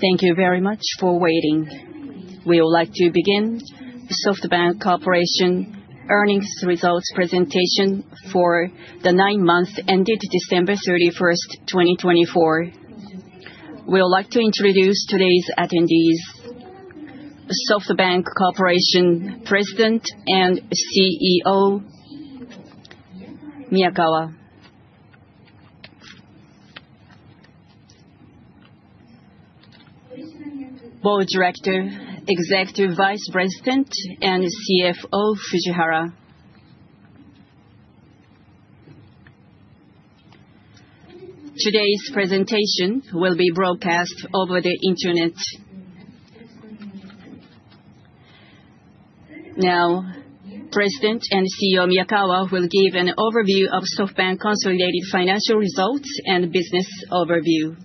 Thank you very much for waiting. We would like to begin SoftBank Corporation's earnings results presentation for the 9-month ended December 31, 2024. We would like to introduce today's attendees: SoftBank Corporation President and CEO Miyakawa, Board Director, Executive Vice President, and CFO Fujihara. Today's presentation will be broadcast over the Internet. Now, President and CEO Miyakawa will give an overview of SoftBank's consolidated financial results and business overview.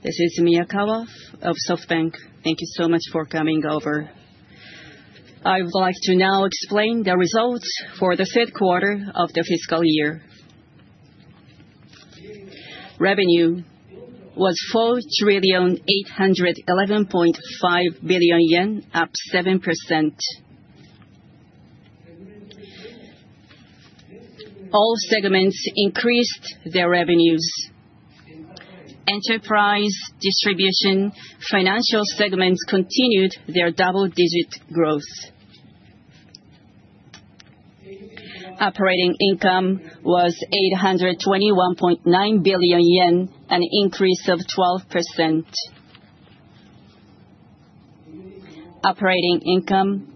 This is Miyakawa of SoftBank. Thank you so much for coming over. I would like to now explain the results for the 3rd quarter of the fiscal year. Revenue was 4,811.5 billion yen, up 7%. All segments increased their revenues. Enterprise, distribution, and financial segments continued their double-digit growth. Operating income was 821.9 billion yen, an increase of 12%. Operating income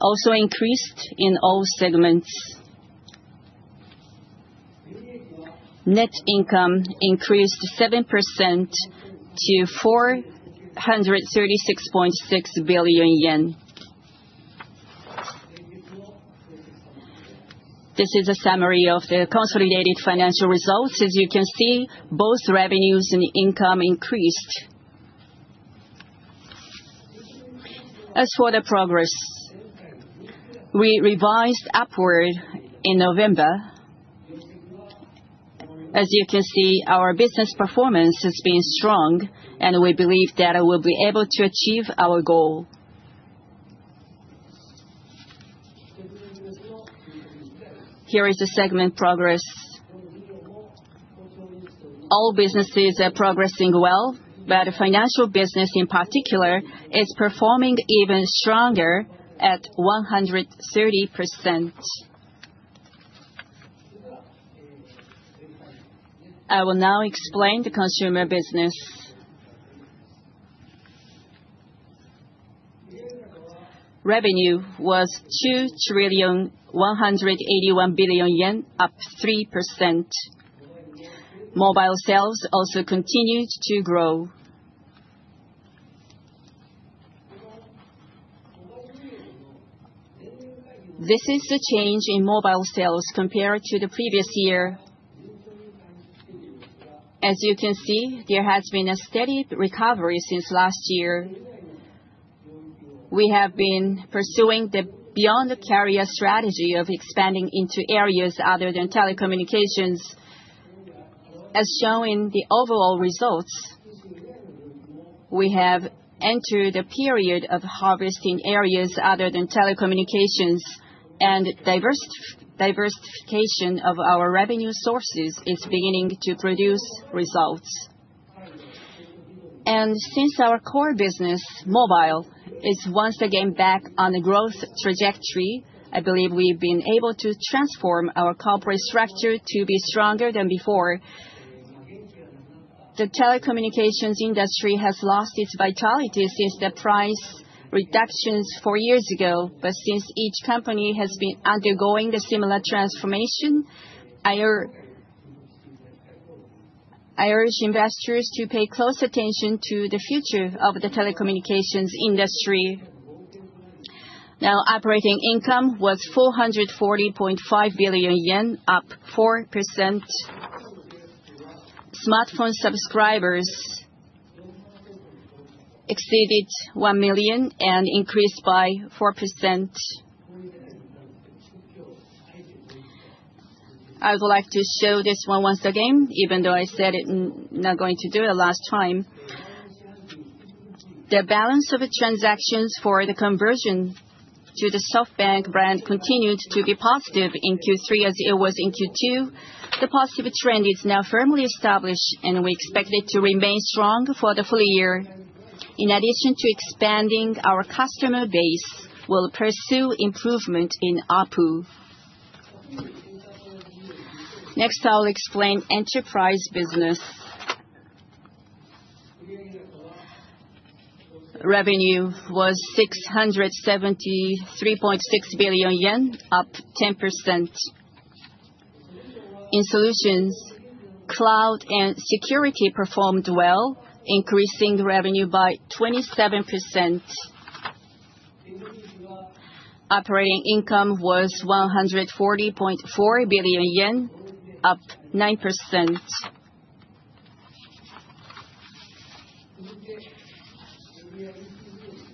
also increased in all segments. Net income increased 7% to JPY 436.6 billion. This is a summary of the consolidated financial results. As you can see, both revenues and income increased. As for the progress, we revised upward in November. As you can see, our business performance has been strong, and we believe that we will be able to achieve our goal. Here is the segment progress. All businesses are progressing well, but the financial business in particular is performing even stronger at 130%. I will now explain the consumer business. Revenue was 2,181 billion yen, up 3%. Mobile sales also continued to grow. This is the change in mobile sales compared to the previous year. As you can see, there has been a steady recovery since last year. We have been pursuing the Beyond the Carrier strategy of expanding into areas other than telecommunications, as shown in the overall results. We have entered a period of harvesting areas other than telecommunications, and diversification of our revenue sources is beginning to produce results. Since our core business, mobile, is once again back on the growth trajectory, I believe we've been able to transform our corporate structure to be stronger than before. The telecommunications industry has lost its vitality since the price reductions four years ago, but since each company has been undergoing a similar transformation, I urge investors to pay close attention to the future of the telecommunications industry. Now, operating income was 440.5 billion yen, up 4%. Smartphone subscribers exceeded 1 million and increased by 4%. I would like to show this one once again, even though I said I'm not going to do it last time. The balance of transactions for the conversion to the SoftBank brand continued to be positive in Q3, as it was in Q2. The positive trend is now firmly established, and we expect it to remain strong for the full year. In addition to expanding, our customer base will pursue improvement in ARPU. Next, I will explain enterprise business. Revenue was 673.6 billion yen, up 10%. In solutions, cloud and security performed well, increasing revenue by 27%. Operating income was 140.4 billion yen, up 9%.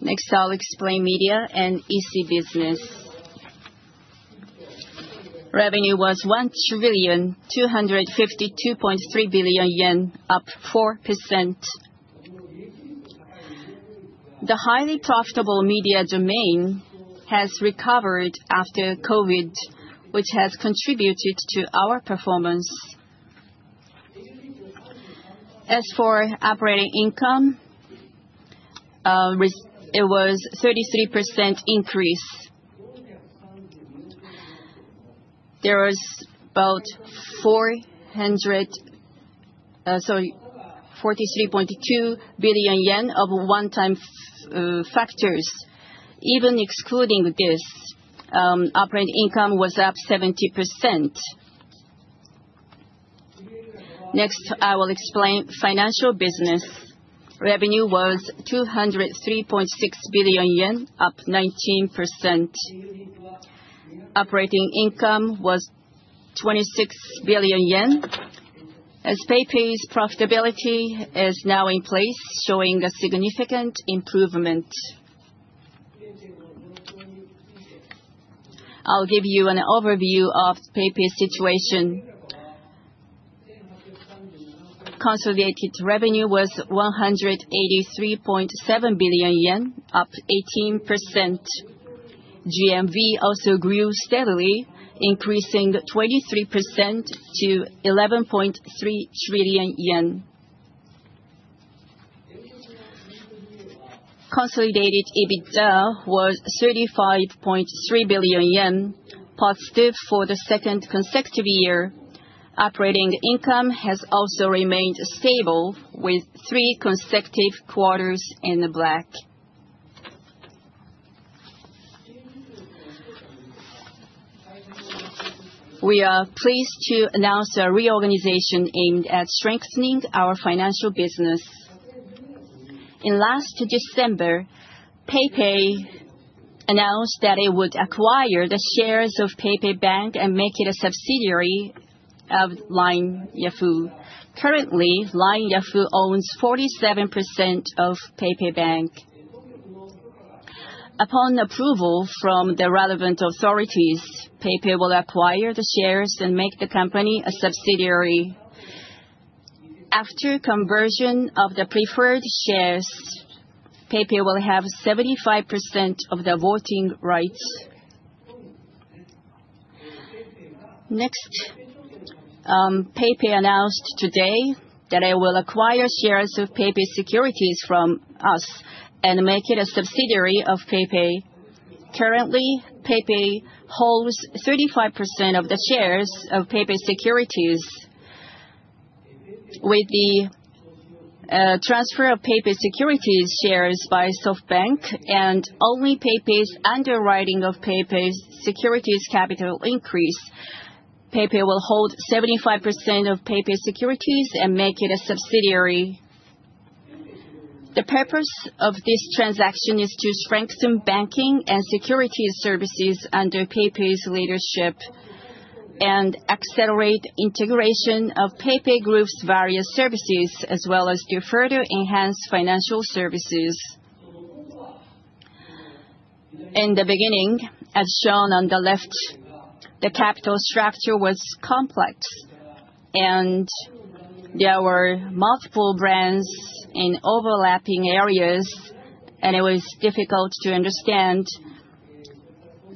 Next, I will explain media and EC business. Revenue was 1,252.3 billion yen, up 4%. The highly profitable media domain has recovered after COVID, which has contributed to our performance. As for operating income, it was a 33% increase. There was about 43.2 billion yen of one-time factors. Even excluding this, operating income was up 70%. Next, I will explain financial business. Revenue was 203.6 billion yen, up 19%. Operating income was 26 billion yen. As PayPay's profitability is now in place, showing a significant improvement. I'll give you an overview of PayPay's situation. Consolidated revenue was 183.7 billion yen, up 18%. GMV also grew steadily, increasing 23% to JPY 11.3 trillion. Consolidated EBITDA was 35.3 billion yen, positive for the second consecutive year. Operating income has also remained stable, with three consecutive quarters in the black. We are pleased to announce a reorganization aimed at strengthening our financial business. In last December, PayPay announced that it would acquire the shares of PayPay Bank and make it a subsidiary of LINE Yahoo. Currently, LINE Yahoo owns 47% of PayPay Bank. Upon approval from the relevant authorities, PayPay will acquire the shares and make the company a subsidiary. After conversion of the preferred shares, PayPay will have 75% of the voting rights. Next, PayPay announced today that it will acquire shares of PayPay Securities from us and make it a subsidiary of PayPay. Currently, PayPay holds 35% of the shares of PayPay Securities. With the transfer of PayPay Securities shares by SoftBank and only PayPay's underwriting of PayPay Securities capital increase, PayPay will hold 75% of PayPay Securities and make it a subsidiary. The purpose of this transaction is to strengthen banking and securities services under PayPay's leadership and accelerate integration of PayPay Group's various services, as well as to further enhance financial services. In the beginning, as shown on the left, the capital structure was complex, and there were multiple brands in overlapping areas, and it was difficult to understand,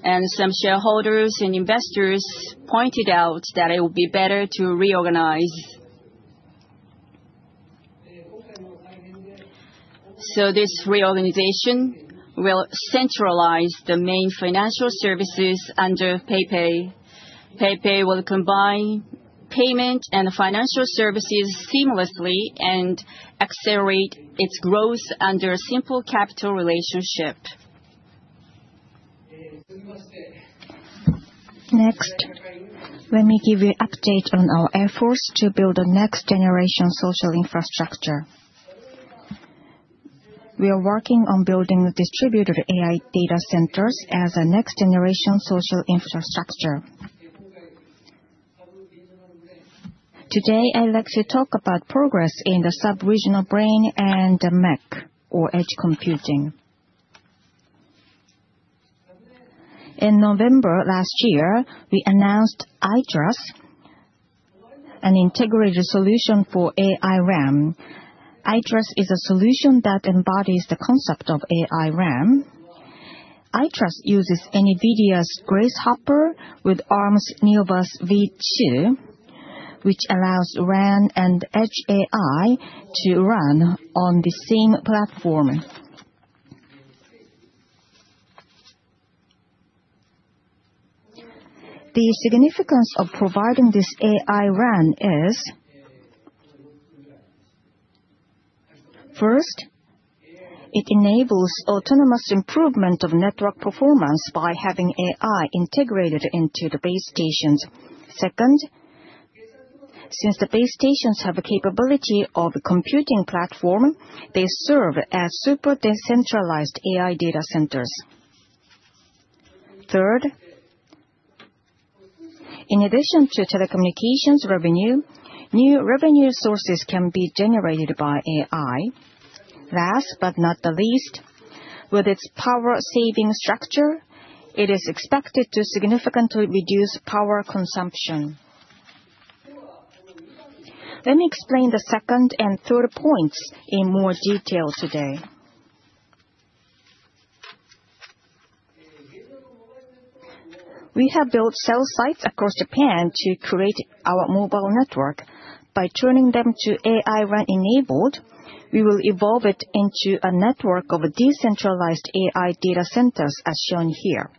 and some shareholders and investors pointed out that it would be better to reorganize, so this reorganization will centralize the main financial services under PayPay. PayPay will combine payment and financial services seamlessly and accelerate its growth under a simple capital relationship. Next, let me give you an update on our efforts to build a next-generation social infrastructure. We are working on building distributed AI data centers as a next-generation social infrastructure. Today, I'd like to talk about progress in the subregional brain and MEC, or edge computing. In November last year, we announced AITRAS, an integrated solution for AI-RAN. AITRAS is a solution that embodies the concept of AI-RAN. AITRAS uses NVIDIA's Grace Hopper with Arm's Neoverse V2, which allows RAN and edge AI to run on the same platform. The significance of providing this AI-RAN is, first, it enables autonomous improvement of network performance by having AI integrated into the base stations. Second, since the base stations have a capability of a computing platform, they serve as super-decentralized AI data centers. Third, in addition to telecommunications revenue, new revenue sources can be generated by AI. Last but not the least, with its power-saving structure, it is expected to significantly reduce power consumption. Let me explain the second and third points in more detail today. We have built cell sites across Japan to create our mobile network. By turning them to AI-RAN enabled, we will evolve it into a network of decentralized AI data centers, as shown here.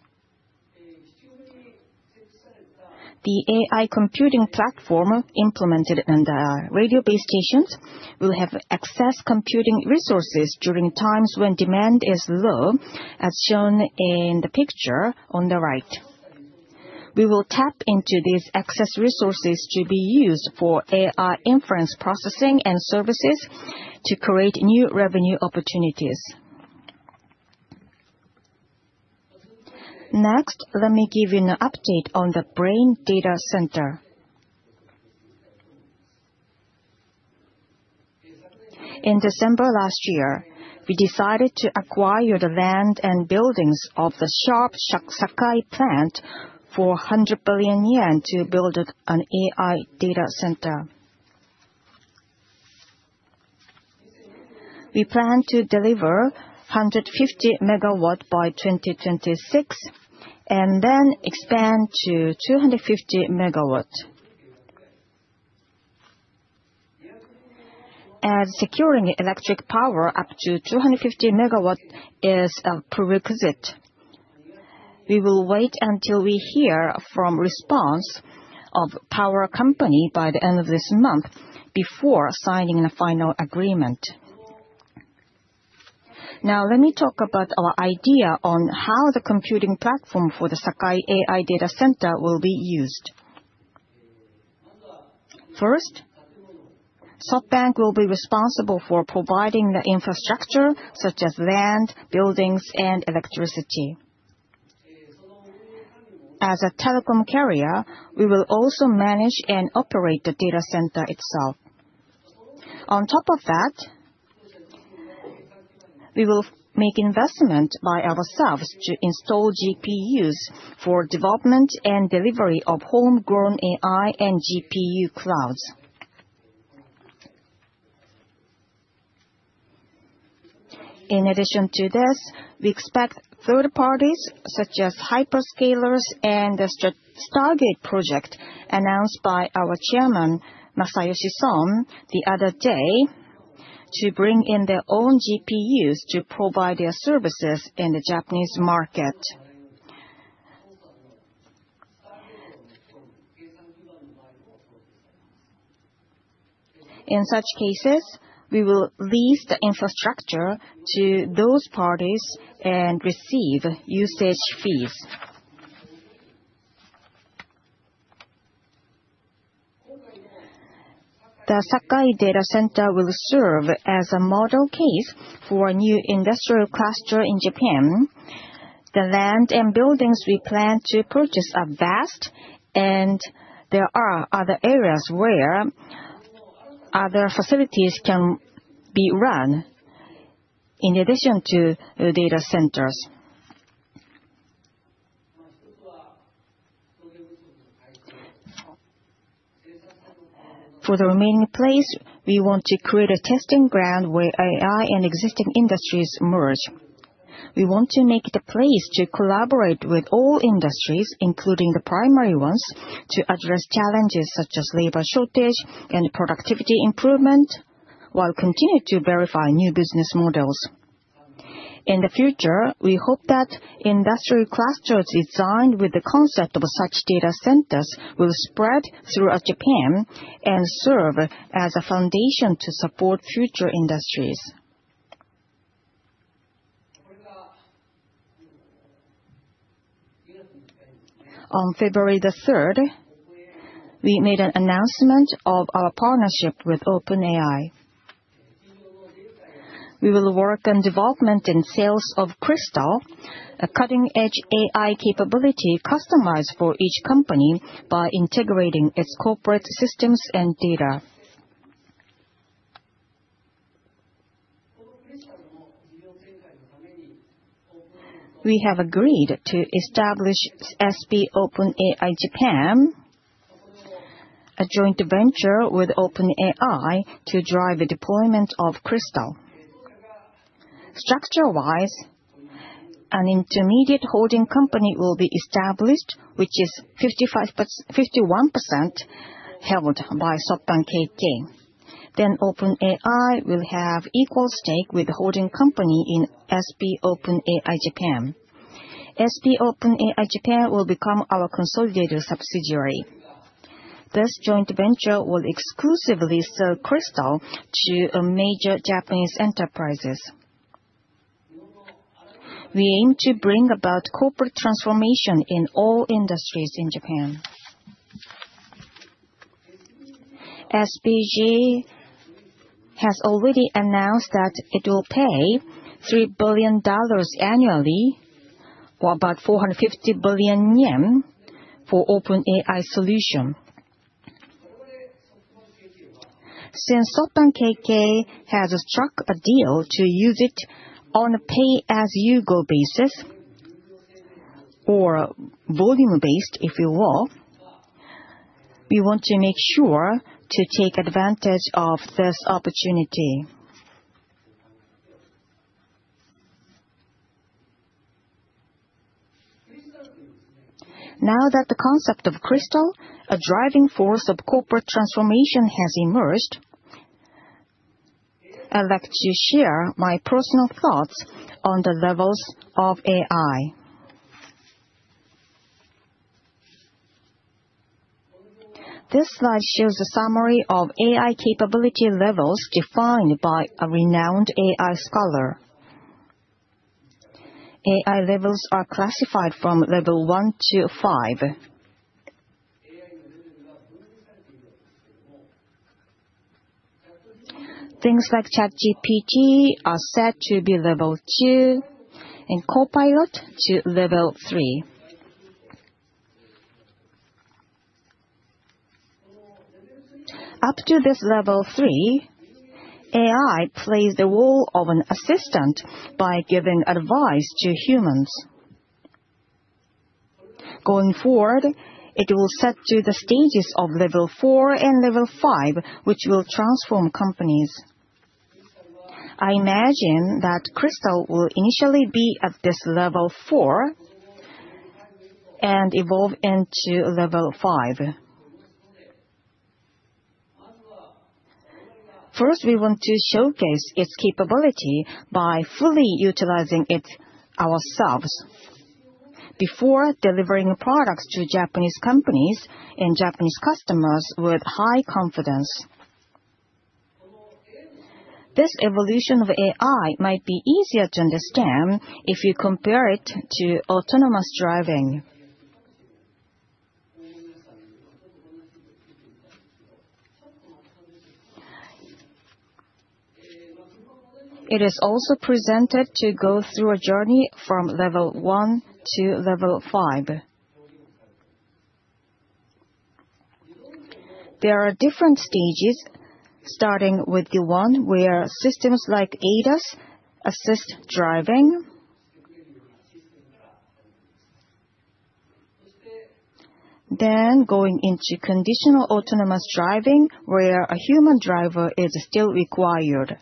The AI computing platform implemented under radio base stations will have access computing resources during times when demand is low, as shown in the picture on the right. We will tap into these access resources to be used for AI inference processing and services to create new revenue opportunities. Next, let me give you an update on the main data center. In December last year, we decided to acquire the land and buildings of the Sharp Sakai plant for 100 billion yen to build an AI data center. We plan to deliver 150 megawatts by 2026 and then expand to 250 megawatts. Securing electric power up to 250 megawatts is a prerequisite. We will wait until we hear the response of the power company by the end of this month before signing a final agreement. Now, let me talk about our idea on how the computing platform for the Sakai AI data center will be used. First, SoftBank will be responsible for providing the infrastructure, such as land, buildings, and electricity. As a telecom carrier, we will also manage and operate the data center itself. On top of that, we will make investments by ourselves to install GPUs for development and delivery of homegrown AI and GPU clouds. In addition to this, we expect third parties, such as hyperscalers and the Stargate project, announced by our chairman, Masayoshi Son, the other day, to bring in their own GPUs to provide their services in the Japanese market. In such cases, we will lease the infrastructure to those parties and receive usage fees. The Sakai data center will serve as a model case for a new industrial cluster in Japan. The land and buildings we plan to purchase are vast, and there are other areas where other facilities can be run, in addition to data centers. For the remaining place, we want to create a testing ground where AI and existing industries merge. We want to make it a place to collaborate with all industries, including the primary ones, to address challenges such as labor shortage and productivity improvement, while continuing to verify new business models. In the future, we hope that industrial clusters designed with the concept of such data centers will spread throughout Japan and serve as a foundation to support future industries. On February the 3rd, we made an announcement of our partnership with OpenAI. We will work on development and sales of Cristal, a cutting-edge AI capability customized for each company by integrating its corporate systems and data. We have agreed to establish SB OpenAI Japan, a joint venture with OpenAI, to drive the deployment of Cristal. Structure-wise, an intermediate holding company will be established, which is 51% held by SoftBank Corp. Then, OpenAI will have an equal stake with the holding company in SB OpenAI Japan. SB OpenAI Japan will become our consolidated subsidiary. This joint venture will exclusively sell Cristal to major Japanese enterprises. We aim to bring about corporate transformation in all industries in Japan. SBG has already announced that it will pay $3 billion annually or about 450 billion yen for OpenAI's solution. Since SoftBank Corp. has struck a deal to use it on a pay-as-you-go basis or volume-based, if you will, we want to make sure to take advantage of this opportunity. Now that the concept of Cristal, a driving force of corporate transformation, has emerged, I'd like to share my personal thoughts on the levels of AI. This slide shows a summary of AI capability levels defined by a renowned AI scholar. AI levels are classified from level one to five. Things like ChatGPT are set to be level two, and Copilot to level three. Up to this level three, AI plays the role of an assistant by giving advice to humans. Going forward, it will set to the stages of level four and level five, which will transform companies. I imagine that Cristal will initially be at this level four and evolve into level five. First, we want to showcase its capability by fully utilizing it ourselves before delivering products to Japanese companies and Japanese customers with high confidence. This evolution of AI might be easier to understand if you compare it to autonomous driving. It is also presented to go through a journey from level 1 to level 5. There are different stages, starting with the one where systems like ADAS assist driving, then going into conditional autonomous driving where a human driver is still required.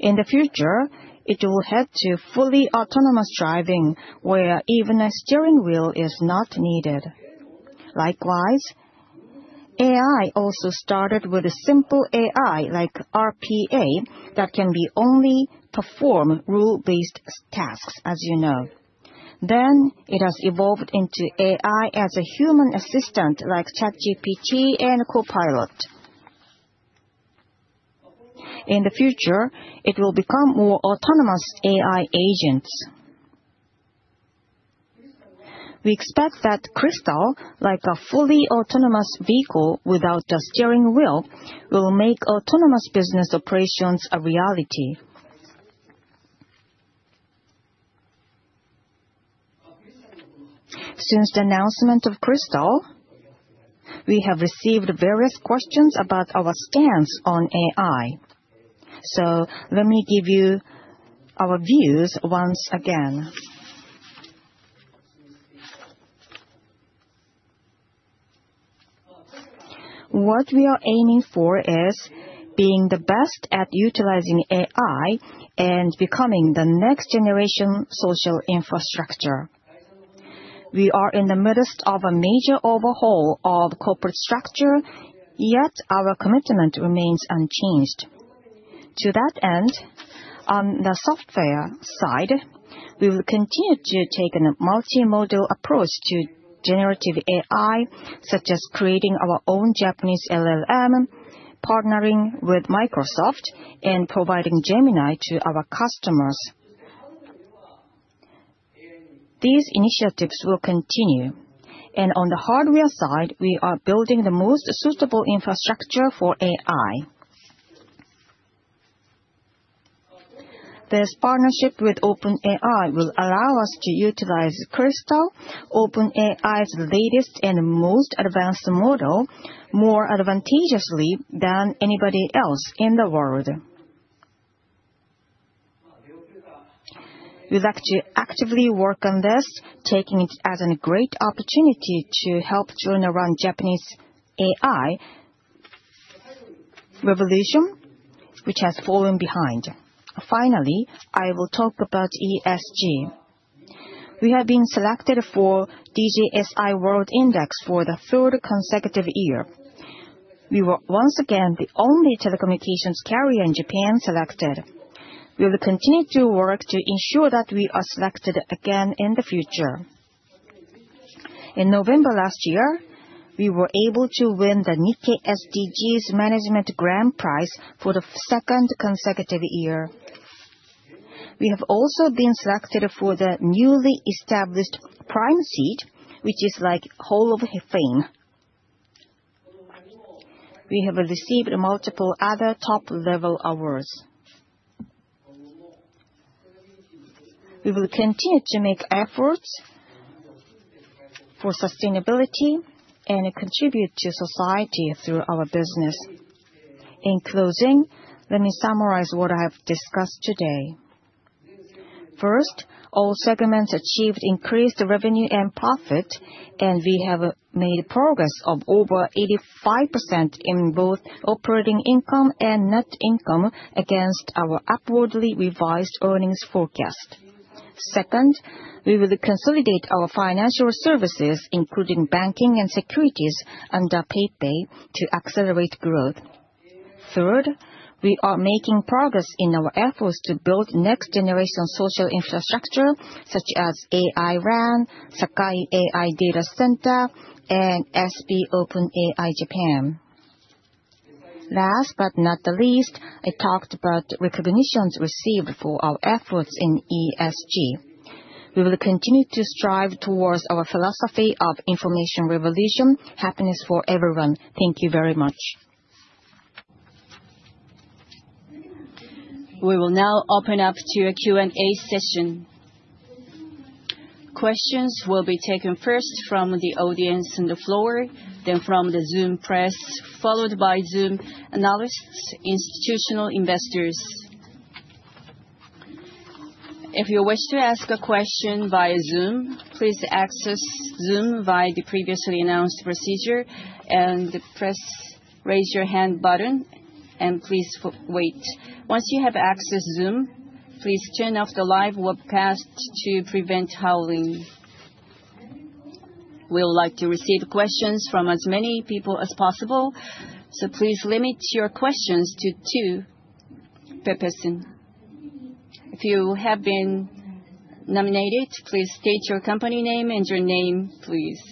In the future, it will head to fully autonomous driving where even a steering wheel is not needed. Likewise, AI also started with a simple AI like RPA that can only perform rule-based tasks, as you know. Then, it has evolved into AI as a human assistant like ChatGPT and Copilot. In the future, it will become more autonomous AI agents. We expect that Cristal, like a fully autonomous vehicle without a steering wheel, will make autonomous business operations a reality. Since the announcement of Cristal, we have received various questions about our stance on AI. So let me give you our views once again. What we are aiming for is being the best at utilizing AI and becoming the next-generation social infrastructure. We are in the midst of a major overhaul of corporate structure, yet our commitment remains unchanged. To that end, on the software side, we will continue to take a multimodal approach to generative AI, such as creating our own Japanese LLM, partnering with Microsoft, and providing Gemini to our customers. These initiatives will continue, and on the hardware side, we are building the most suitable infrastructure for AI. This partnership with OpenAI will allow us to utilize Cristal, OpenAI's latest and most advanced model, more advantageously than anybody else in the world. We'd like to actively work on this, taking it as a great opportunity to help turn around Japanese AI revolution, which has fallen behind. Finally, I will talk about ESG. We have been selected for DJSI World Index for the third consecutive year. We were once again the only telecommunications carrier in Japan selected. We will continue to work to ensure that we are selected again in the future. In November last year, we were able to win the Nikkei SDGs Management Grand Prize for the second consecutive year. We have also been selected for the newly established Prime Seat, which is like Hall of Fame. We have received multiple other top-level awards. We will continue to make efforts for sustainability and contribute to society through our business. In closing, let me summarize what I have discussed today. First, all segments achieved increased revenue and profit, and we have made progress of over 85% in both operating income and net income against our upwardly revised earnings forecast. Second, we will consolidate our financial services, including banking and securities, under PayPay to accelerate growth. Third, we are making progress in our efforts to build next-generation social infrastructure, such as AI-RAN, Sakai AI Data Center, and SB OpenAI Japan. Last but not the least, I talked about recognitions received for our efforts in ESG. We will continue to strive towards our philosophy of information revolution, happiness for everyone. Thank you very much. We will now open up to a Q&A session. Questions will be taken first from the audience on the floor, then from the Zoom press, followed by Zoom analysts, institutional investors. If you wish to ask a question via Zoom, please access Zoom via the previously announced procedure and press the raise your hand button, and please wait. Once you have accessed Zoom, please turn off the live webcast to prevent howling. We would like to receive questions from as many people as possible, so please limit your questions to two per person. If you have been nominated, please state your company name and your name, please.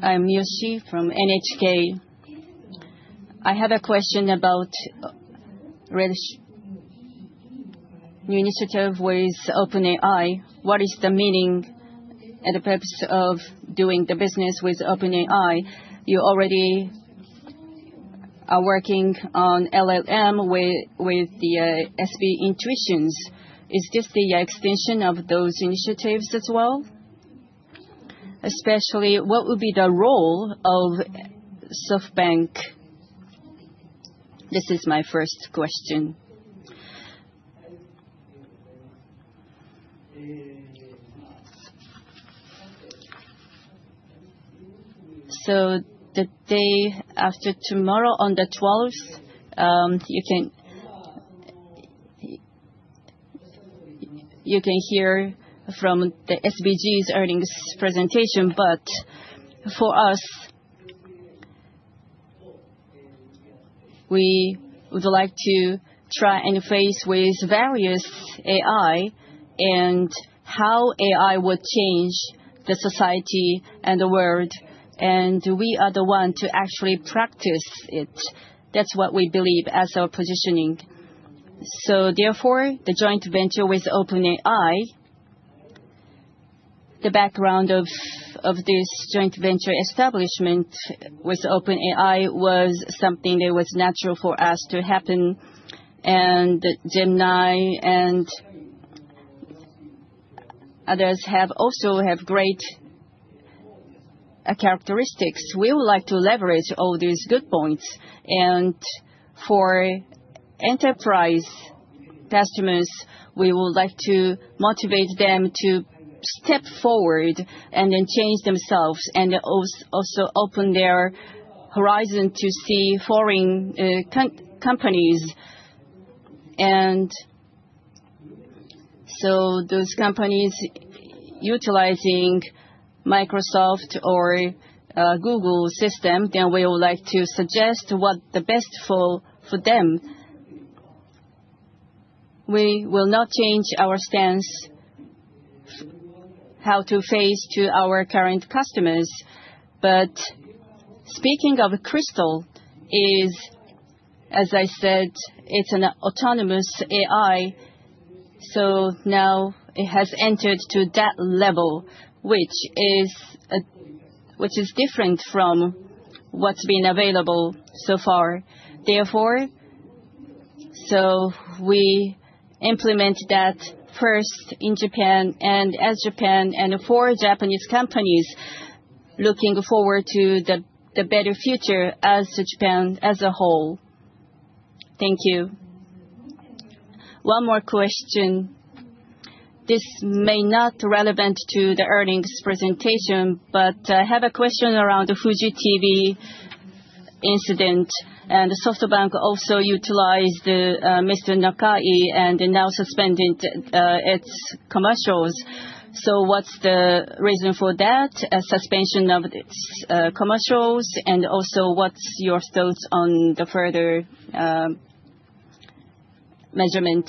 I'm Yoshi from NHK. I have a question about the initiative with OpenAI. What is the meaning and the purpose of doing the business with OpenAI? You already are working on LLM with the SB Intuitions. Is this the extension of those initiatives as well? Especially, what would be the role of SoftBank? This is my first question. So the day after tomorrow, on the 12th, you can hear from the SBG's earnings presentation, but for us, we would like to try and face various AI and how AI would change society and the world, and we are the ones to actually practice it. That's what we believe as our positioning. So therefore, the joint venture with OpenAI, the background of this joint venture establishment with OpenAI was something that was natural for us to happen, and Gemini and others also have great characteristics. We would like to leverage all these good points, and for enterprise customers, we would like to motivate them to step forward and then change themselves and also open their horizon to see foreign companies. So those companies utilizing Microsoft or Google systems, then we would like to suggest what's the best for them. We will not change our stance, how to face our current customers. But speaking of Cristal, as I said, it's an autonomous AI, so now it has entered to that level, which is different from what's been available so far. Therefore, we implement that first in Japan and as Japan and for Japanese companies looking forward to the better future as Japan as a whole. Thank you. One more question. This may not be relevant to the earnings presentation, but I have a question around the Fuji TV incident, and SoftBank also utilized Mr. Nakai and now suspended its commercials. So what's the reason for that suspension of its commercials? And also, what's your thoughts on the further measurement?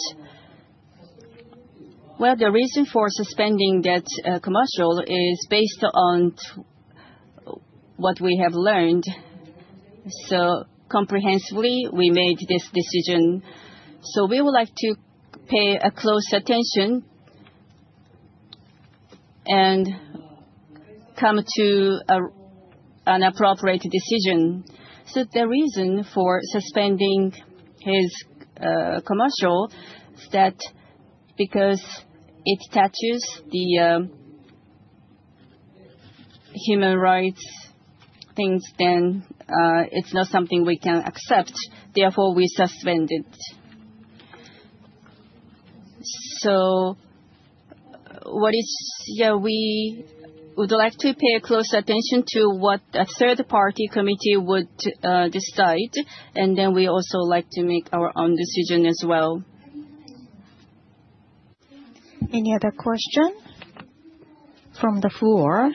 The reason for suspending that commercial is based on what we have learned. So comprehensively, we made this decision. So we would like to pay close attention and come to an appropriate decision. So the reason for suspending his commercial is that because it touches human rights things, then it's not something we can accept. Therefore, we suspend it. So yeah, we would like to pay close attention to what a third-party committee would decide, and then we also like to make our own decision as well. Any other questions from the floor?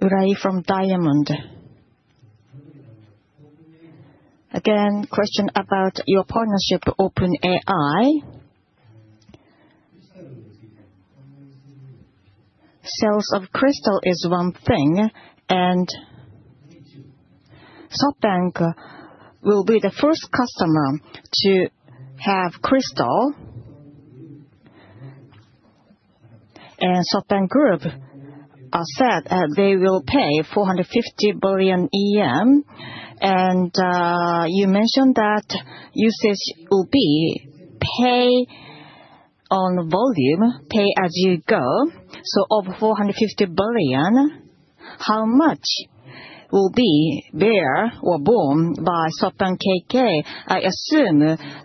Rai from Diamond. Again, question about your partnership with OpenAI. Sales of Cristal is one thing, and SoftBank will be the first customer to have Cristal. And SoftBank Group said that they will pay 450 billion, and you mentioned that usage will be pay on volume, pay as you go. So, of 450 billion, how much will be there or borne by SoftBank KK? I assume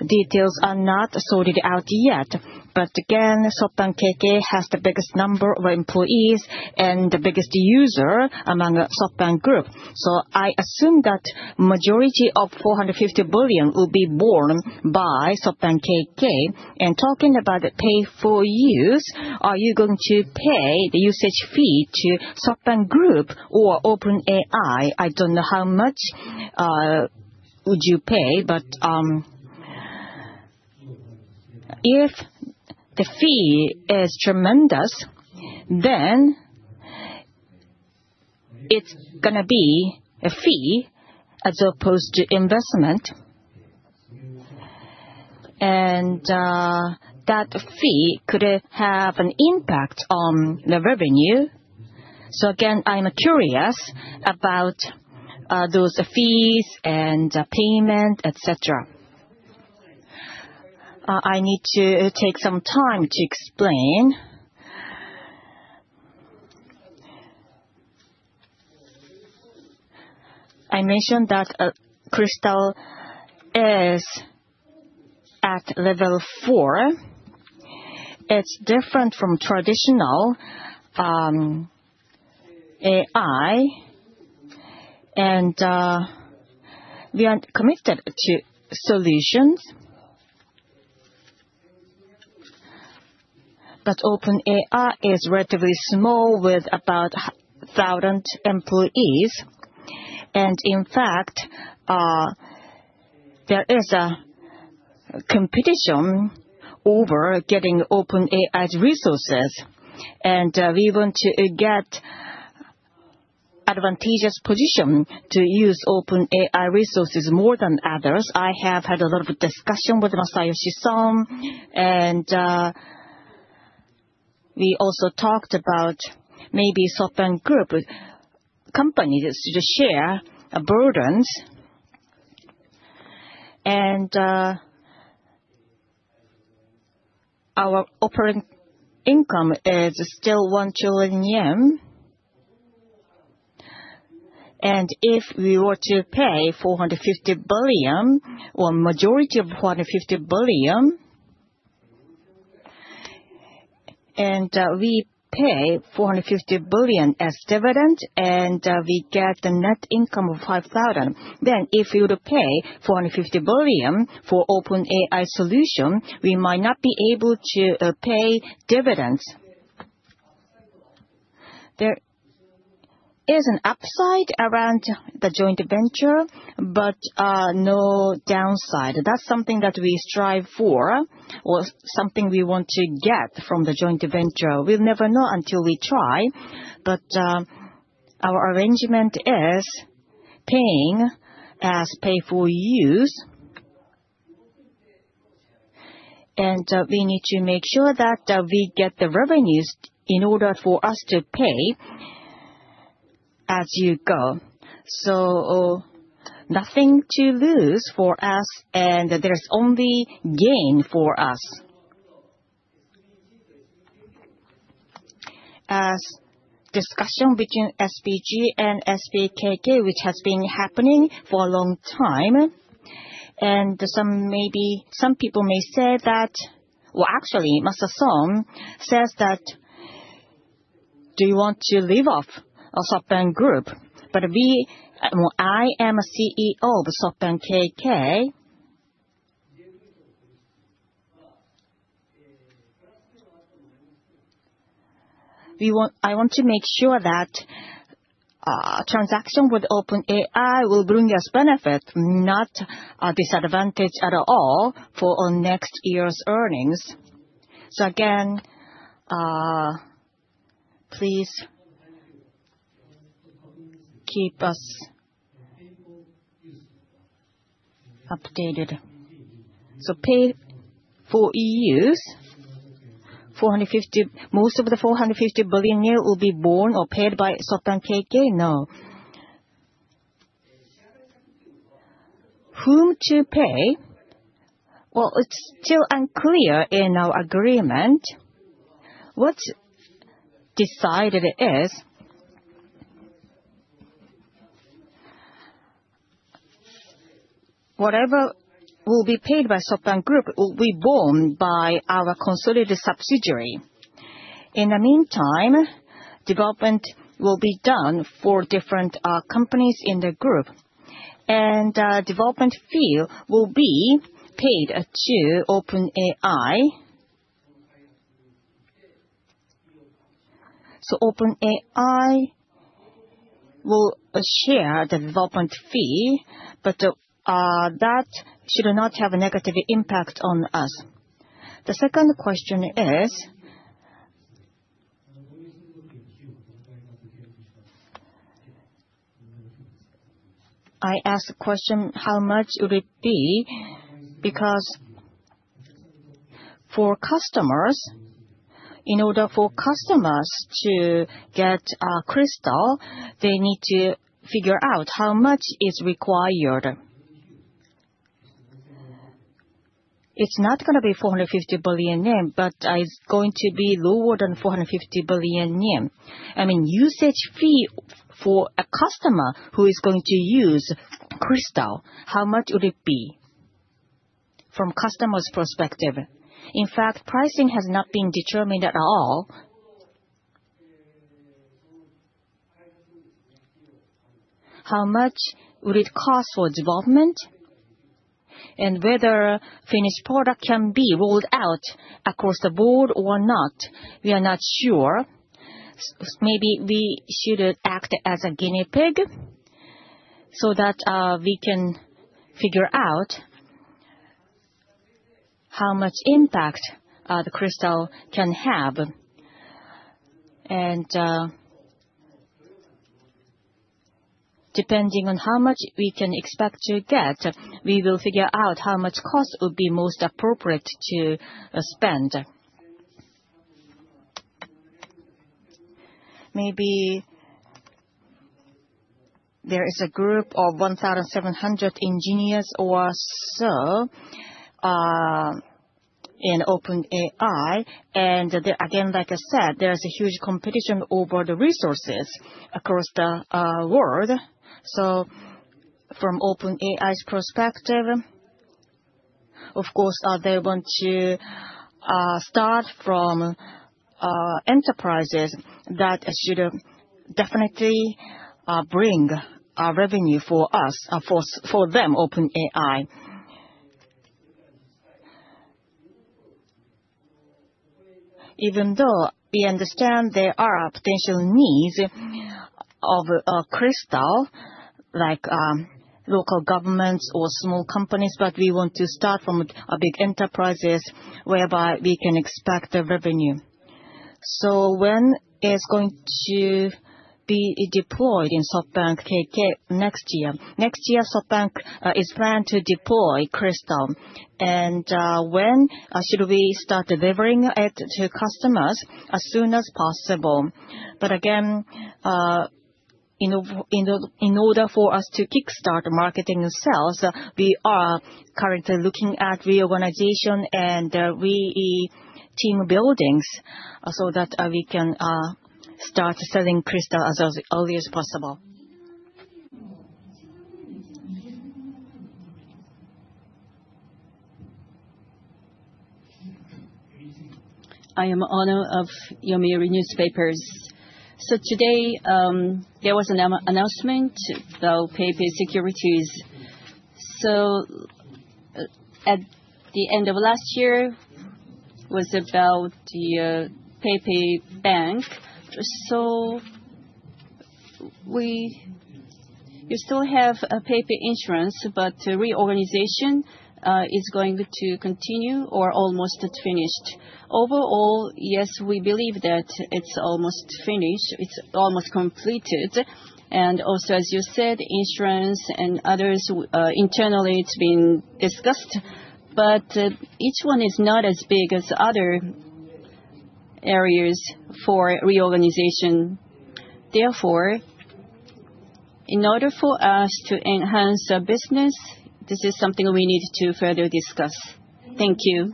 details are not sorted out yet, but again, SoftBank KK has the biggest number of employees and the biggest user among SoftBank Group. So I assume that the majority of 450 billion will be borne by SoftBank KK. And talking about pay for use, are you going to pay the usage fee to SoftBank Group or OpenAI? I don't know how much would you pay, but if the fee is tremendous, then it's going to be a fee as opposed to investment. And that fee could have an impact on the revenue. So again, I'm curious about those fees and payment, etc. I need to take some time to explain. I mentioned that Cristal is at level four. It's different from traditional AI, and we are committed to solutions. But OpenAI is relatively small with about 1,000 employees. And in fact, there is a competition over getting OpenAI's resources, and we want to get an advantageous position to use OpenAI resources more than others. I have had a lot of discussions with Masayoshi Son, and we also talked about maybe SoftBank Group companies to share burdens. And our operating income is still 1 trillion yen. And if we were to pay 450 billion JPY, or majority of 450 billion JPY, and we pay 450 billion JPY as dividend, and we get the net income of 5,000 JPY, then if we were to pay 450 billion JPY for OpenAI solution, we might not be able to pay dividends. There is an upside around the joint venture, but no downside. That's something that we strive for or something we want to get from the joint venture. We'll never know until we try, but our arrangement is paying as pay for use. We need to make sure that we get the revenues in order for us to pay as you go. Nothing to lose for us, and there's only gain for us. A discussion between SBG and SBKK, which has been happening for a long time, and some people may say that, well, actually, Masayoshi Son says that, "Do you want to leave off SoftBank Group?" I am a CEO of SoftBank KK. I want to make sure that transaction with OpenAI will bring us benefit, not a disadvantage at all for our next year's earnings. Please keep us updated. Pay for use, 450 billion. Most of the 450 billion yen will be borne or paid by SoftBank KK? No. Whom to pay? It's still unclear in our agreement. What's decided is whatever will be paid by SoftBank Group will be borne by our consolidated subsidiary. In the meantime, development will be done for different companies in the group, and development fee will be paid to OpenAI. So OpenAI will share the development fee, but that should not have a negative impact on us. The second question is, I asked the question how much would it be because for customers, in order for customers to get Cristal, they need to figure out how much is required. It's not going to be 450 billion yen, but it's going to be lower than 450 billion yen. I mean, usage fee for a customer who is going to use Cristal, how much would it be from a customer's perspective? In fact, pricing has not been determined at all. How much would it cost for development? Whether finished product can be rolled out across the board or not, we are not sure. Maybe we should act as a guinea pig so that we can figure out how much impact the Cristal can have. Depending on how much we can expect to get, we will figure out how much cost would be most appropriate to spend. Maybe there is a group of 1,700 engineers or so in OpenAI. Again, like I said, there's a huge competition over the resources across the world. So from OpenAI's perspective, of course, they want to start from enterprises that should definitely bring revenue for us, for them, OpenAI. Even though we understand there are potential needs of Cristal, like local governments or small companies, but we want to start from big enterprises whereby we can expect revenue. So when is it going to be deployed in SoftBank KK next year? Next year, SoftBank is planned to deploy Cristal. And when should we start delivering it to customers? As soon as possible. But again, in order for us to kickstart marketing sales, we are currently looking at reorganization and re-team buildings so that we can start selling Cristal as early as possible. I am Ono of Yomiuri Newspapers. So today, there was an announcement about PayPay Securities. At the end of last year was about the PayPay Bank. You still have PayPay insurance, but reorganization is going to continue or almost finished. Overall, yes, we believe that it's almost finished. It's almost completed. Also, as you said, insurance and others internally, it's been discussed, but each one is not as big as other areas for reorganization. Therefore, in order for us to enhance our business, this is something we need to further discuss. Thank you.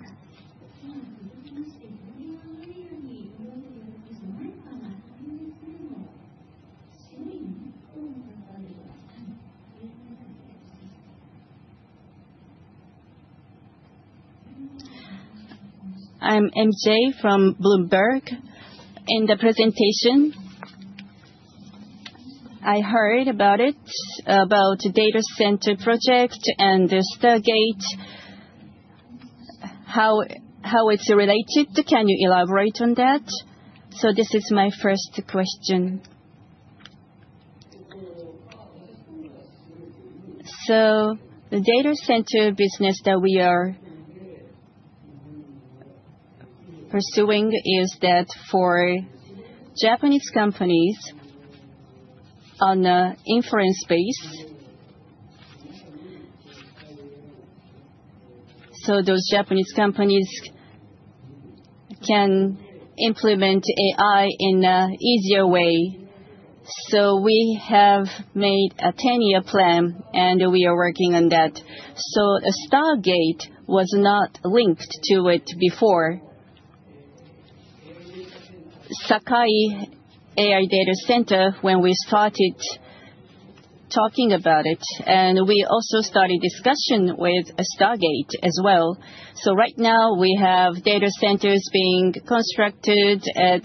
I'm MJ from Bloomberg. In the presentation, I heard about it, about the data center project and the Stargate, how it's related. Can you elaborate on that? So this is my first question. So the data center business that we are pursuing is that for Japanese companies on an inference base. So those Japanese companies can implement AI in an easier way. So we have made a 10-year plan, and we are working on that. So Stargate was not linked to it before. Sakai AI Data Center, when we started talking about it, and we also started discussion with Stargate as well. So right now, we have data centers being constructed at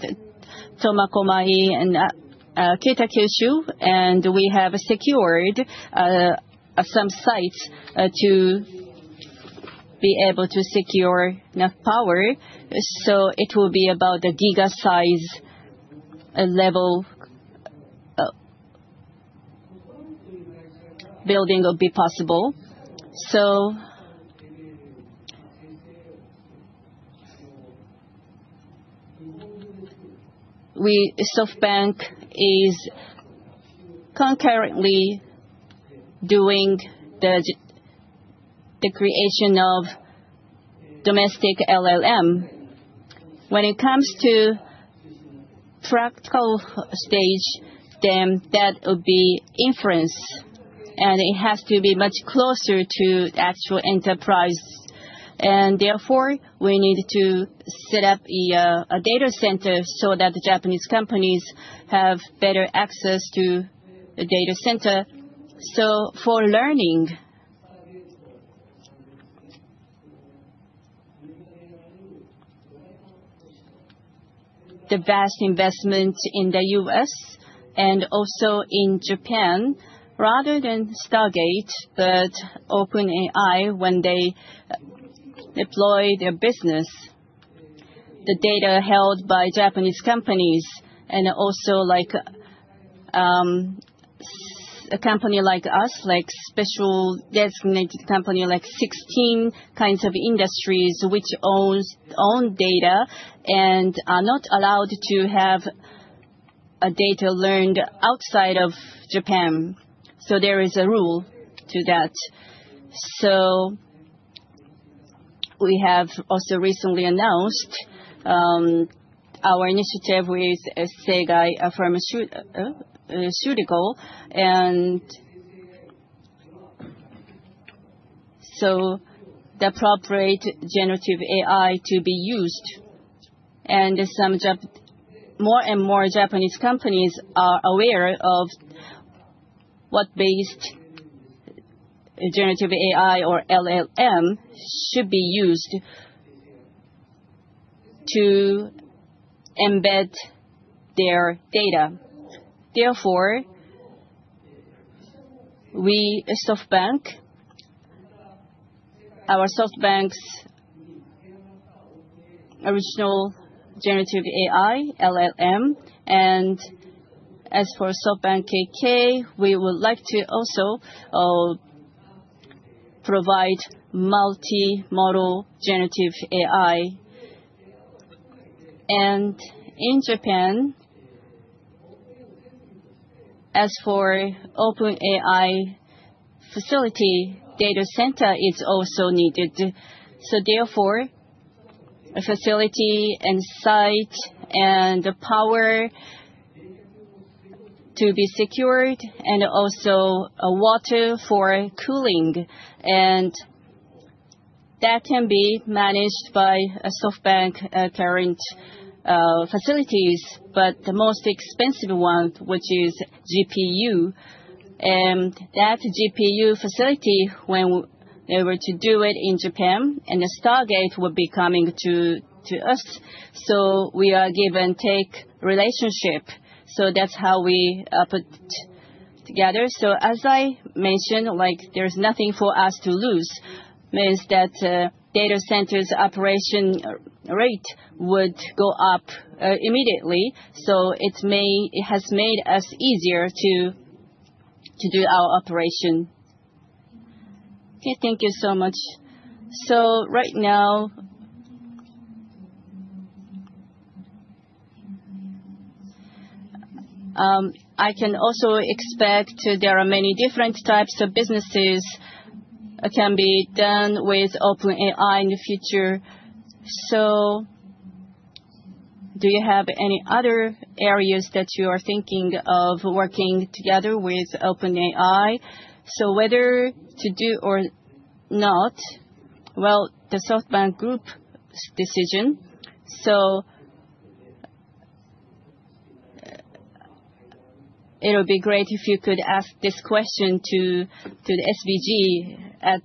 Tomakomai and Kitakyushu, and we have secured some sites to be able to secure enough power. So it will be about a gigawatt-size level building that will be possible. SoftBank is concurrently doing the creation of domestic LLM. When it comes to practical stage, then that will be inference, and it has to be much closer to actual enterprise. And therefore, we need to set up a data center so that the Japanese companies have better access to the data center. So for learning, the vast investment in the U.S. and also in Japan, rather than Stargate, but OpenAI when they deploy their business, the data held by Japanese companies, and also a company like us, like special designated company like 16 kinds of industries which own data and are not allowed to have data learned outside of Japan. So there is a rule to that. So we have also recently announced our initiative with Shionogi and so the appropriate generative AI to be used. And more and more Japanese companies are aware of what-based generative AI or LLM should be used to embed their data. Therefore, SoftBank, our SoftBank's original generative AI LLM, and as for SoftBank KK, we would like to also provide multi-model generative AI. And in Japan, as for OpenAI facility data center, it's also needed. So therefore, a facility and site and power to be secured and also water for cooling, and that can be managed by SoftBank current facilities, but the most expensive one, which is GPU. And that GPU facility, when they were to do it in Japan, and the Stargate will be coming to us. So we are give-and-take relationship. So that's how we put together. So as I mentioned, there's nothing for us to lose. It means that data centers' operation rate would go up immediately. So it has made us easier to do our operation. Okay, thank you so much. So right now, I can also expect there are many different types of businesses that can be done with OpenAI in the future. So do you have any other areas that you are thinking of working together with OpenAI? So whether to do or not, well, the SoftBank Group's decision. So it would be great if you could ask this question to the SBG at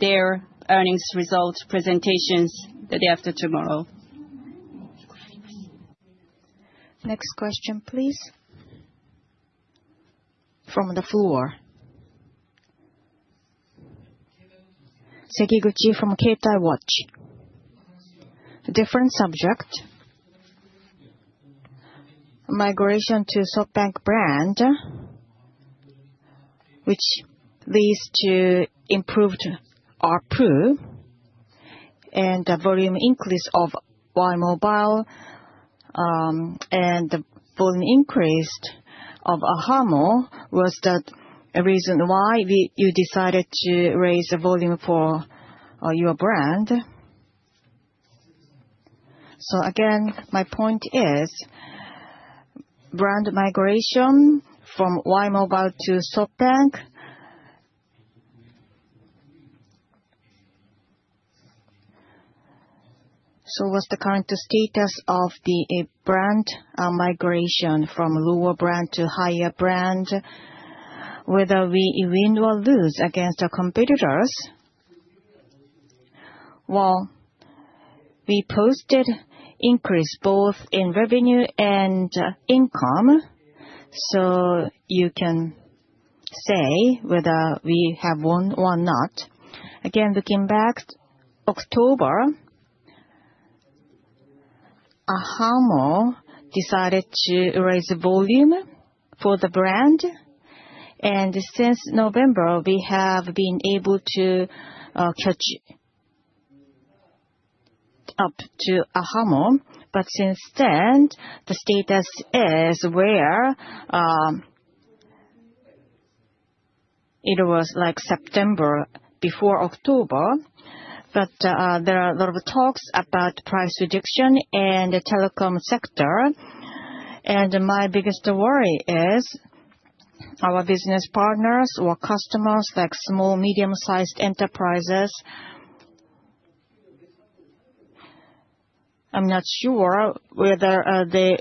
their earnings result presentations the day after tomorrow. Next question, please. From the floor. Sekiguchi from Keitai Watch. Different subject. Migration to SoftBank brand, which leads to improved ARPU and volume increase of Y!mobile, and the volume increase of ahamo was the reason why you decided to raise the volume for your brand. So again, my point is brand migration from Y!mobile to SoftBank. So what's the current status of the brand migration from lower brand to higher brand? Whether we win or lose against our competitors? Well, we posted increase both in revenue and income. So you can say whether we have won or not. Again, looking back, October, ahamo decided to raise volume for the brand. And since November, we have been able to catch up to ahamo, but since then, the status is where it was like September before October. But there are a lot of talks about price reduction and the telecom sector. And my biggest worry is our business partners or customers, like small, medium-sized enterprises. I'm not sure whether the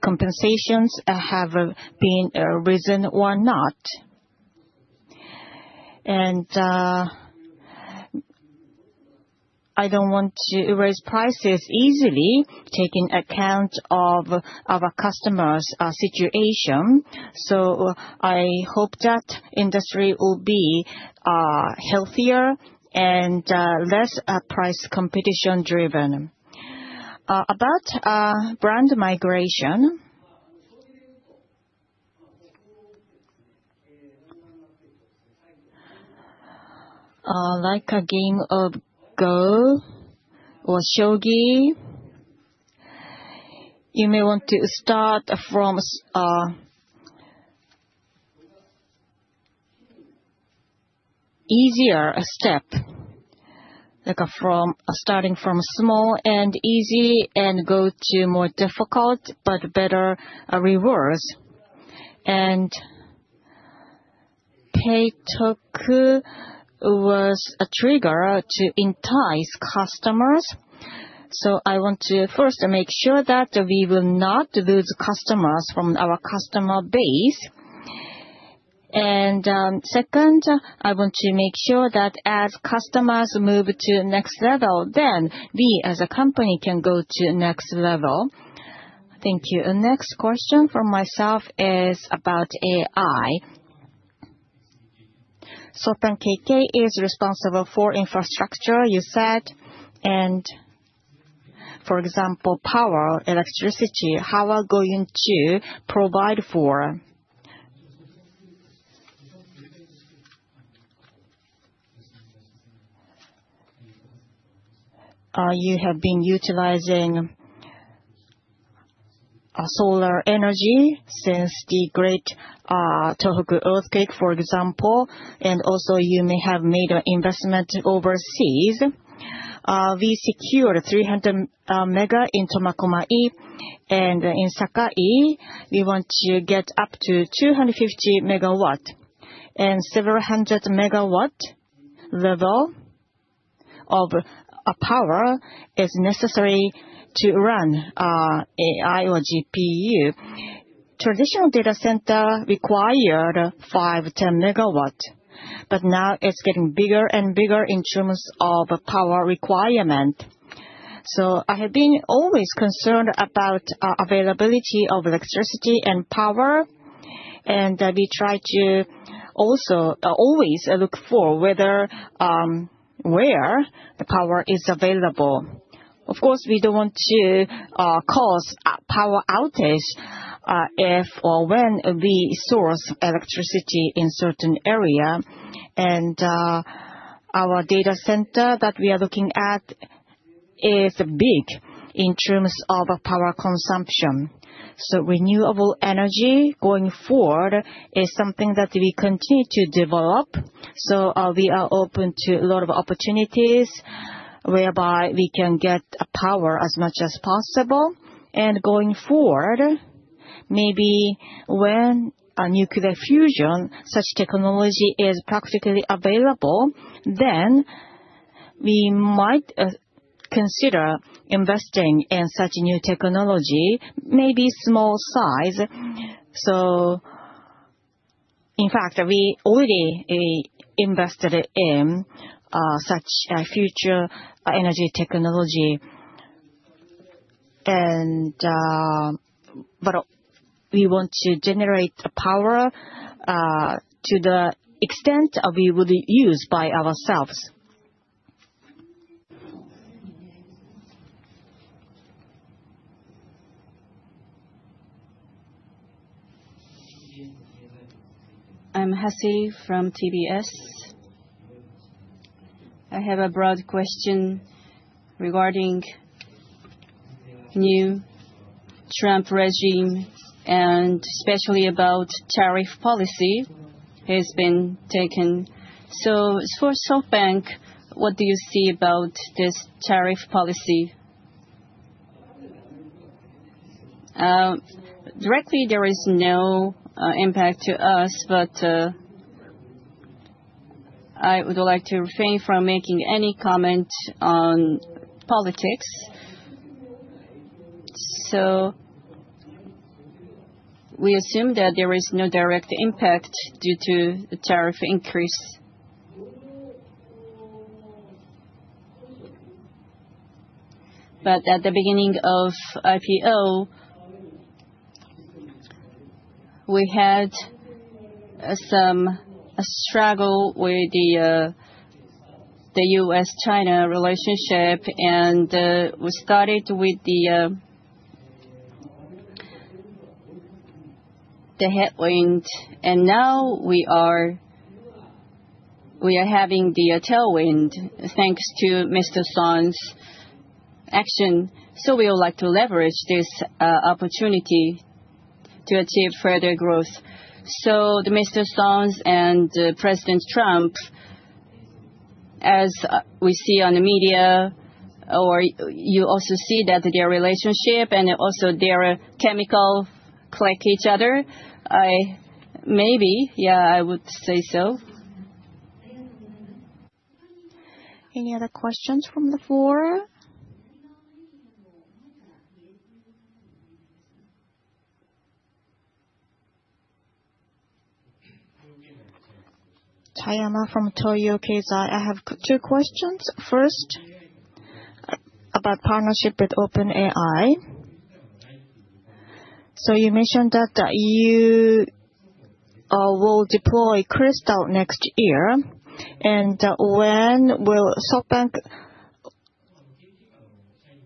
compensations have been risen or not. And I don't want to raise prices easily, taking account of our customers' situation. So I hope that industry will be healthier and less price competition-driven. About brand migration, like a game of Go or shogi, you may want to start from an easier step, like starting from small and easy and go to more difficult, but better rewards. And Pay-Toku was a trigger to entice customers. So I want to first make sure that we will not lose customers from our customer base. And second, I want to make sure that as customers move to the next level, then we as a company can go to the next level. Thank you. Next question from myself is about AI. SoftBank KK is responsible for infrastructure, you said. And for example, power, electricity, how are we going to provide for? You have been utilizing solar energy since the Great Tohoku Earthquake, for example, and also you may have made an investment overseas. We secured 300 megawatts in Tomakomai, and in Sakai, we want to get up to 250 megawatts. And several hundred megawatts level of power is necessary to run AI or GPU. Traditional data center required 5-10 megawatts. But now it's getting bigger and bigger in terms of power requirement. So I have been always concerned about availability of electricity and power. And we try to also always look for where the power is available. Of course, we don't want to cause power outage if or when we source electricity in certain areas. And our data center that we are looking at is big in terms of power consumption. So renewable energy going forward is something that we continue to develop. So we are open to a lot of opportunities whereby we can get power as much as possible. Going forward, maybe when nuclear fusion such technology is practically available, then we might consider investing in such new technology, maybe small size. In fact, we already invested in such future energy technology. But we want to generate power to the extent we would use by ourselves. I'm Hase from TBS. I have a broad question regarding new Trump regime, and especially about tariff policy has been taken. For SoftBank, what do you see about this tariff policy? Directly, there is no impact to us, but I would like to refrain from making any comment on politics. We assume that there is no direct impact due to the tariff increase. At the beginning of IPO, we had some struggle with the U.S.-China relationship, and we started with the headwind. Now we are having the tailwind thanks to Mr. Son's action. So we would like to leverage this opportunity to achieve further growth. So Mr. Son and President Trump, as we see on the media, or you also see that their relationship and also their chemistry clicks with each other, maybe, yeah, I would say so. Any other questions from the floor? Tayama from Toyo Keizai. I have two questions. First, about partnership with OpenAI. So you mentioned that you will deploy Cristal next year. And when will SoftBank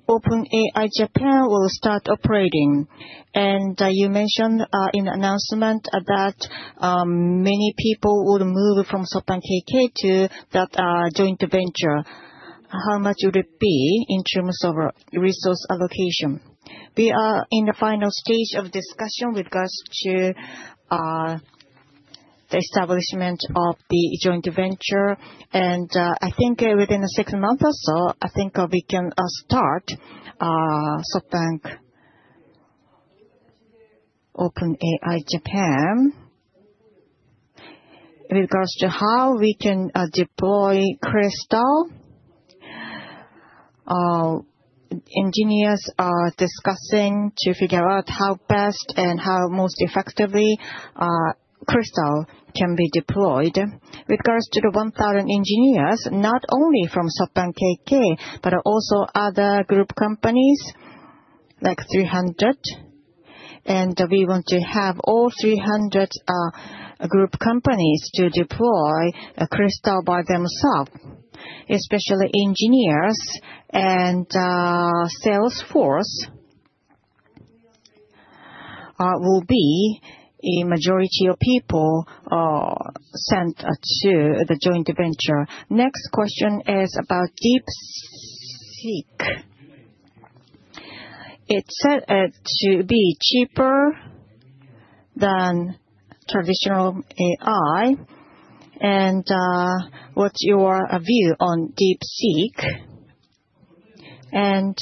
OpenAI Japan will start operating? And you mentioned in the announcement that many people would move from SoftBank KK to that joint venture. How much would it be in terms of resource allocation? We are in the final stage of discussion with regards to the establishment of the joint venture. And I think within six months or so, I think we can start SoftBank OpenAI Japan. With regards to how we can deploy Cristal, engineers are discussing to figure out how best and how most effectively Cristal can be deployed. With regards to the 1,000 engineers, not only from SoftBank Corp., but also other group companies like 300, and we want to have all 300 group companies to deploy Cristal by themselves. Especially engineers and sales force will be a majority of people sent to the joint venture. Next question is about DeepSeek. It's said to be cheaper than traditional AI, and what's your view on DeepSeek? And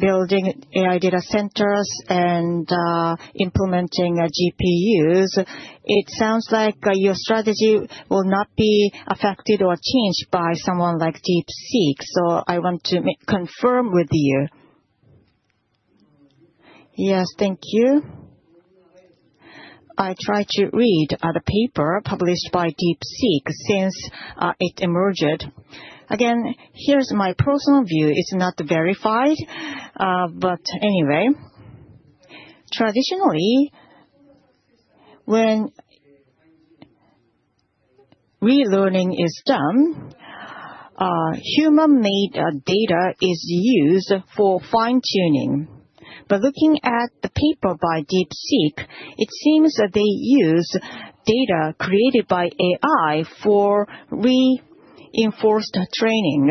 building AI data centers and implementing GPUs, it sounds like your strategy will not be affected or changed by someone like DeepSeek, so I want to confirm with you. Yes, thank you. I tried to read the paper published by DeepSeek since it emerged. Again, here's my personal view. It's not verified. But anyway, traditionally, when re-learning is done, human-made data is used for fine-tuning. But looking at the paper by DeepSeek, it seems they use data created by AI for reinforced training.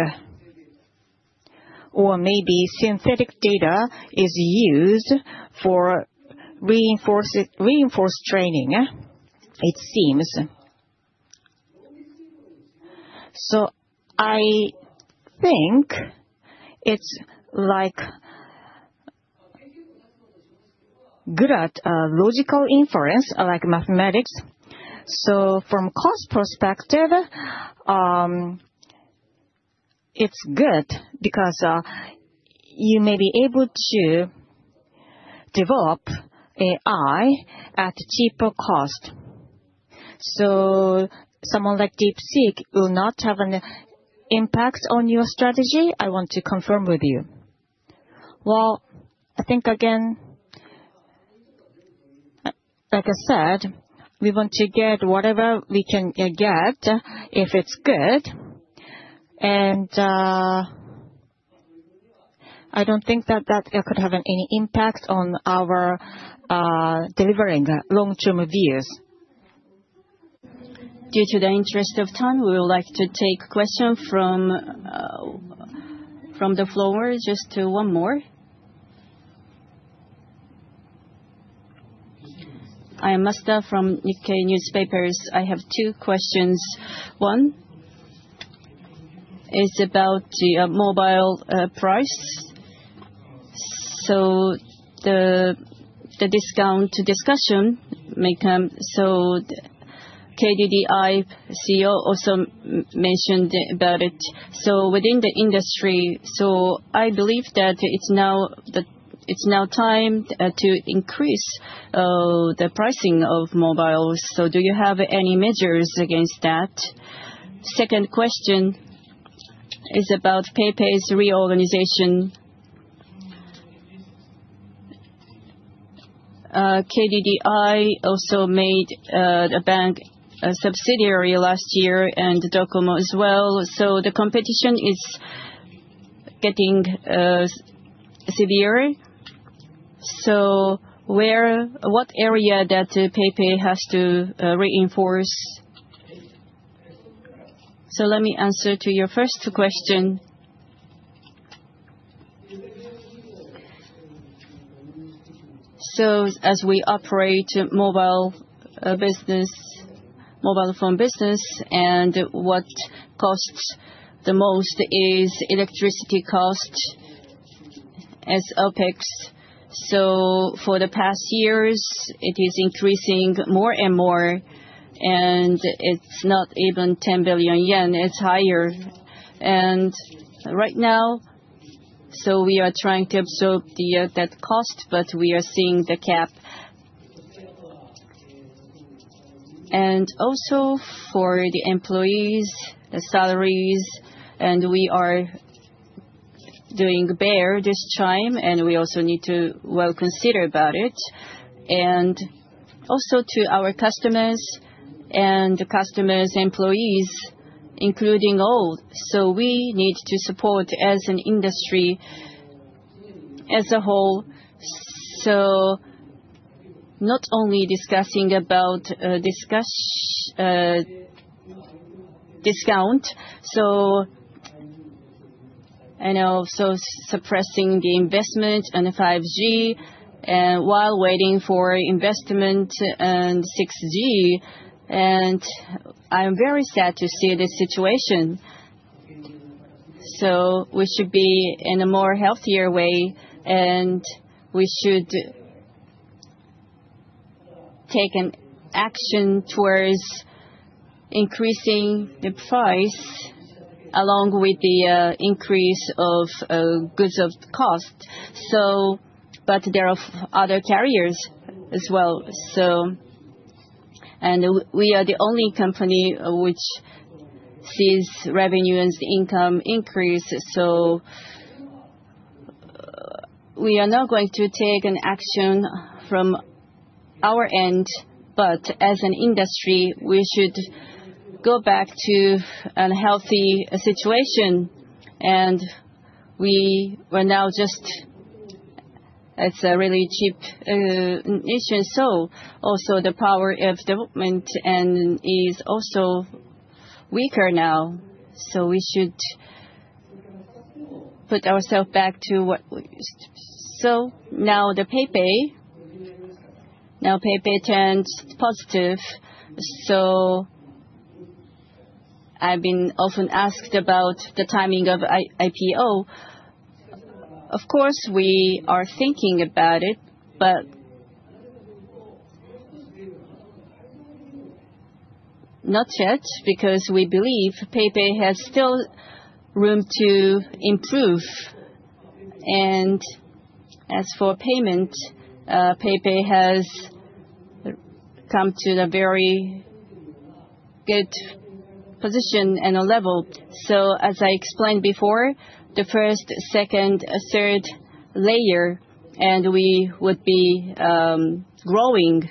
Or maybe synthetic data is used for reinforced training, it seems. So I think it's like good at logical inference, like mathematics. So from a cost perspective, it's good because you may be able to develop AI at a cheaper cost. So someone like DeepSeek will not have an impact on your strategy. I want to confirm with you. Well, I think again, like I said, we want to get whatever we can get if it's good. And I don't think that that could have any impact on our delivering long-term views. Due to the interest of time, we would like to take questions from the floor. Just one more. I am Matsuda from Nikkei Newspapers. I have two questions. One is about the mobile price, so the discount discussion may come, so KDDI CEO also mentioned about it, so within the industry, I believe that it's now time to increase the pricing of mobiles, so do you have any measures against that? Second question is about PayPay's reorganization. KDDI also made the bank a subsidiary last year and Docomo as well, so the competition is getting severe, so what area does PayPay have to reinforce? So let me answer to your first question, so as we operate mobile phone business, and what costs the most is electricity cost as OPEX, so for the past years, it is increasing more and more, and it's not even 10 billion yen. It's higher, and right now, so we are trying to absorb that cost, but we are seeing the gap. And also for the employees, the salaries, and we are doing better this time, and we also need to well consider about it. And also to our customers and the customers' employees, including all. So we need to support as an industry as a whole. So not only discussing about discount, so suppressing the investment in 5G while waiting for investment in 6G. And I'm very sad to see this situation. So we should be in a more healthier way, and we should take an action towards increasing the price along with the increase of goods of cost. But there are other carriers as well. And we are the only company which sees revenue and income increase. So we are not going to take an action from our end, but as an industry, we should go back to a healthy situation. And we are now just, it's a really cheap nation, so also the power of development is also weaker now, so we should put ourselves back to what, so now the PayPay, now PayPay turns positive, so I've been often asked about the timing of IPO. Of course, we are thinking about it, but not yet because we believe PayPay has still room to improve. And as for payment, PayPay has come to a very good position and a level, so as I explained before, the first, second, third layer, and we would be growing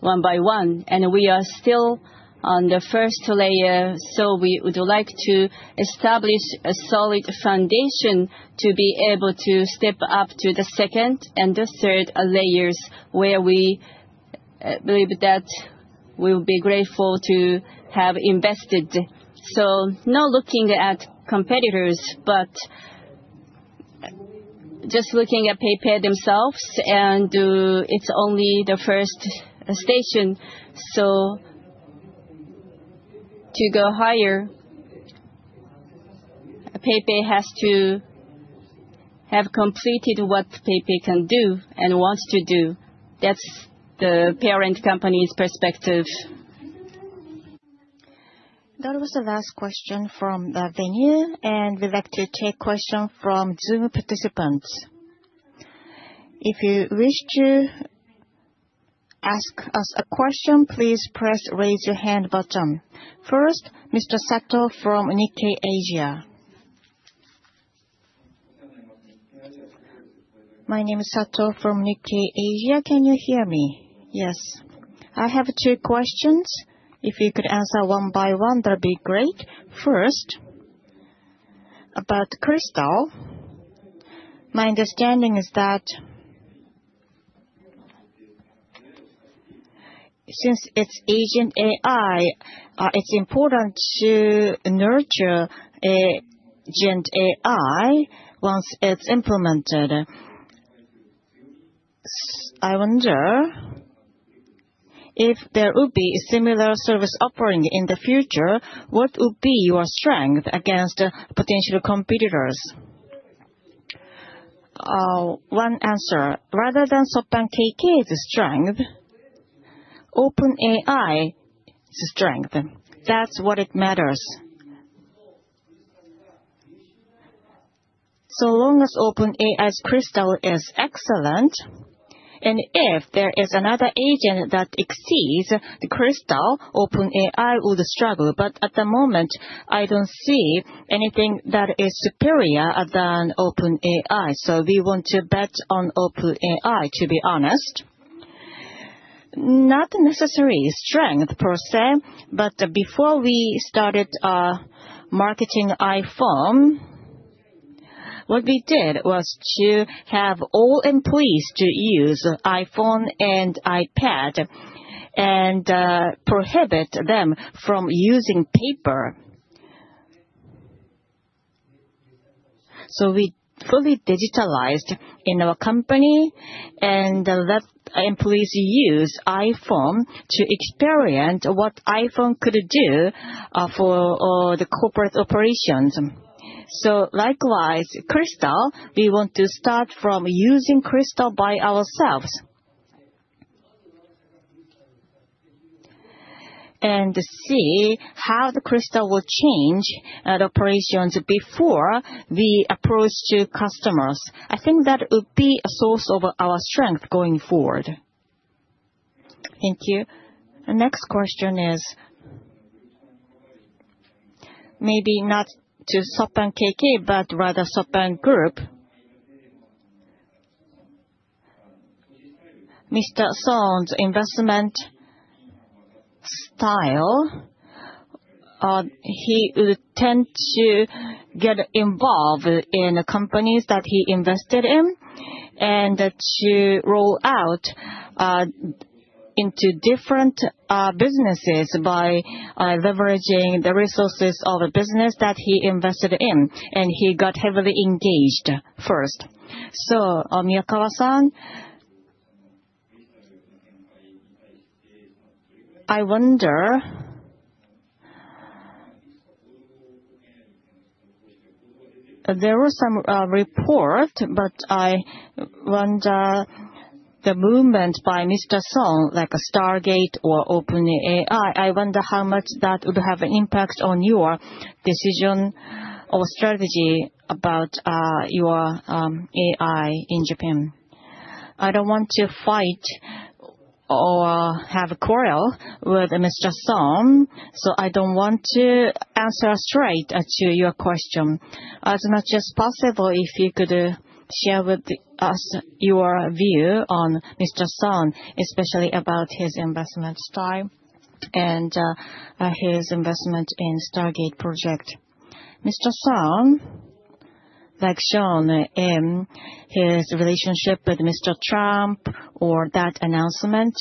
one by one. And we are still on the first layer, so we would like to establish a solid foundation to be able to step up to the second and the third layers where we believe that we will be grateful to have invested, so not looking at competitors, but just looking at PayPay themselves. It's only the first station. To go higher, PayPay has to have completed what PayPay can do and wants to do. That's the parent company's perspective. That was the last question from the venue. We'd like to take questions from Zoom participants. If you wish to ask us a question, please press raise your hand button. First, Mr. Sato from Nikkei Asia. My name is Sato from Nikkei Asia. Can you hear me? Yes. I have two questions. If you could answer one by one, that would be great. First, about Cristal. My understanding is that since it's agent AI, it's important to nurture agent AI once it's implemented. I wonder if there would be a similar service offering in the future. What would be your strength against potential competitors? One answer. Rather than SoftBank KK's strength, OpenAI's strength. That's what matters. So long as OpenAI's Cristal is excellent, and if there is another agent that exceeds the Cristal, OpenAI would struggle. But at the moment, I don't see anything that is superior than OpenAI. So we want to bet on OpenAI, to be honest. Not necessary strength per se, but before we started marketing iPhone, what we did was to have all employees use iPhone and iPad and prohibit them from using paper. So we fully digitalized in our company and let employees use iPhone to experience what iPhone could do for the corporate operations. So likewise, Cristal, we want to start from using Cristal by ourselves and see how the Cristal will change the operations before we approach customers. I think that would be a source of our strength going forward. Thank you. The next question is maybe not to SoftBank KK, but rather SoftBank Group. Mr. Son's investment style, he would tend to get involved in companies that he invested in and to roll out into different businesses by leveraging the resources of a business that he invested in. And he got heavily engaged first. So Miyakawa-san, I wonder. There was some report, but I wonder the movement by Mr. Son, like Stargate or OpenAI, I wonder how much that would have an impact on your decision or strategy about your AI in Japan. I don't want to fight or have a quarrel with Mr. Son. So I don't want to answer straight to your question. It's not just possible if you could share with us your view on Mr. Son, especially about his investment style and his investment in Stargate project. Mr. Son, like shown in his relationship with Mr. Trump or that announcement,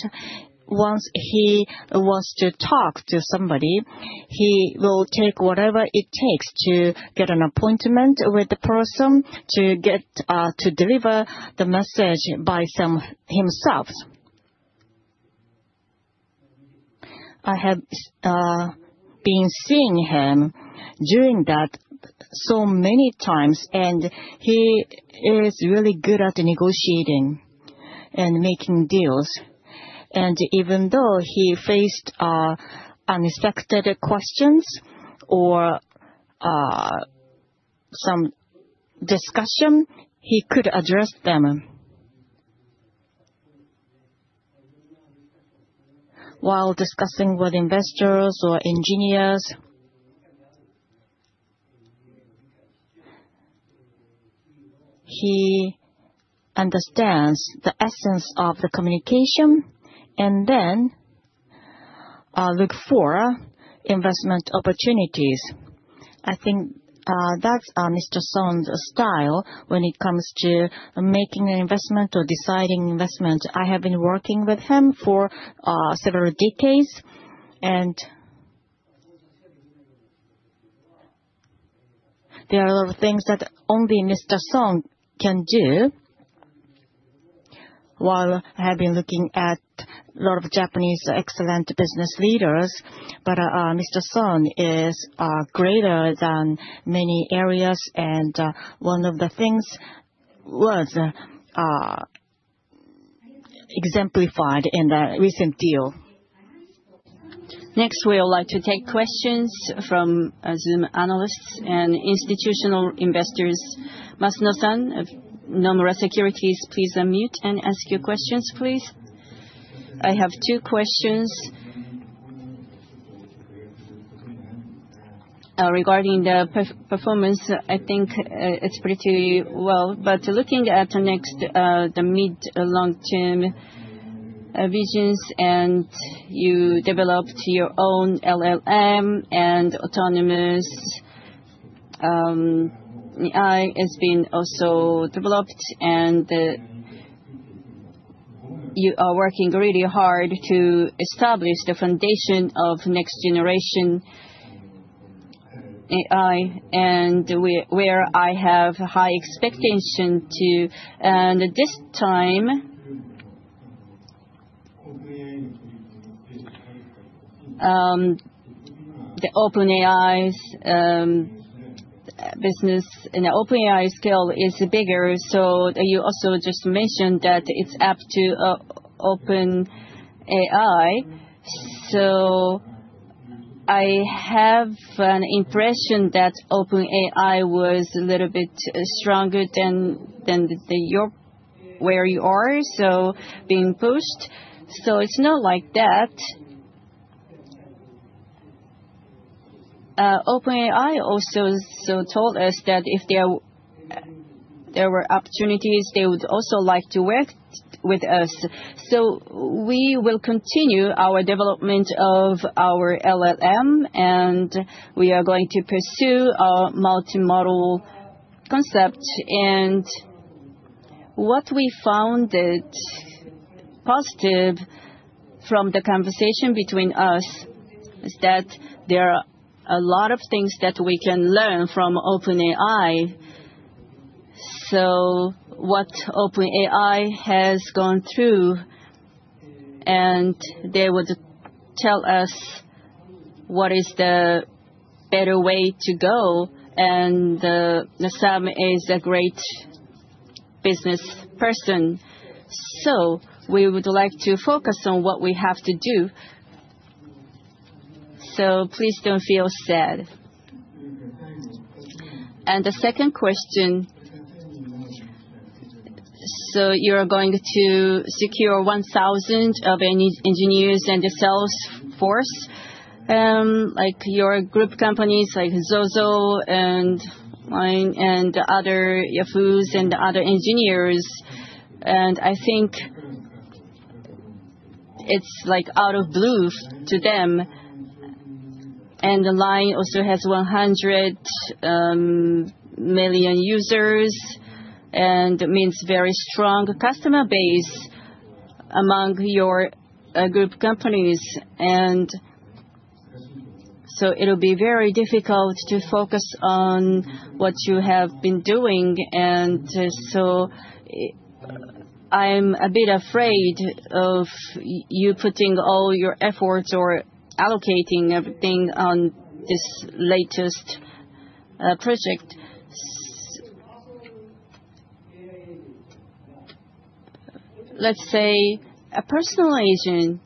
once he wants to talk to somebody, he will take whatever it takes to get an appointment with the person to deliver the message by himself. I have been seeing him doing that so many times, and he is really good at negotiating and making deals, and even though he faced unexpected questions or some discussion, he could address them while discussing with investors or engineers. He understands the essence of the communication and then looks for investment opportunities. I think that's Mr. Son's style when it comes to making an investment or deciding investment. I have been working with him for several decades, and there are a lot of things that only Mr. Son can do. While I have been looking at a lot of Japanese excellent business leaders, but Mr. Son is greater than many areas, and one of the things was exemplified in the recent deal. Next, we would like to take questions from Zoom analysts and institutional investors. Masuno-san, Nomura Securities, please unmute and ask your questions, please. I have two questions regarding the performance. I think it's pretty well, but looking at the next, the mid-long-term visions, and you developed your own LLM and autonomous AI has been also developed, and you are working really hard to establish the foundation of next-generation AI, and where I have high expectations to. And this time, the OpenAI business in the OpenAI scale is bigger, so you also just mentioned that it's up to OpenAI. So I have an impression that OpenAI was a little bit stronger than where you are, so being pushed. So it's not like that. OpenAI also told us that if there were opportunities, they would also like to work with us, so we will continue our development of our LLM, and we are going to pursue our multimodal concept. What we found positive from the conversation between us is that there are a lot of things that we can learn from OpenAI, so what OpenAI has gone through, and they would tell us what is the better way to go. Sam is a great business person, so we would like to focus on what we have to do, so please don't feel sad. The second question, so you are going to secure 1,000 of engineers and the sales force, like your group companies like ZOZO and the other Yahoo's and the other engineers. I think it's out of the blue to them. And the LINE also has 100 million users, and it means a very strong customer base among your group companies. And so it will be very difficult to focus on what you have been doing. And so I'm a bit afraid of you putting all your efforts or allocating everything on this latest project. Let's say a personal agent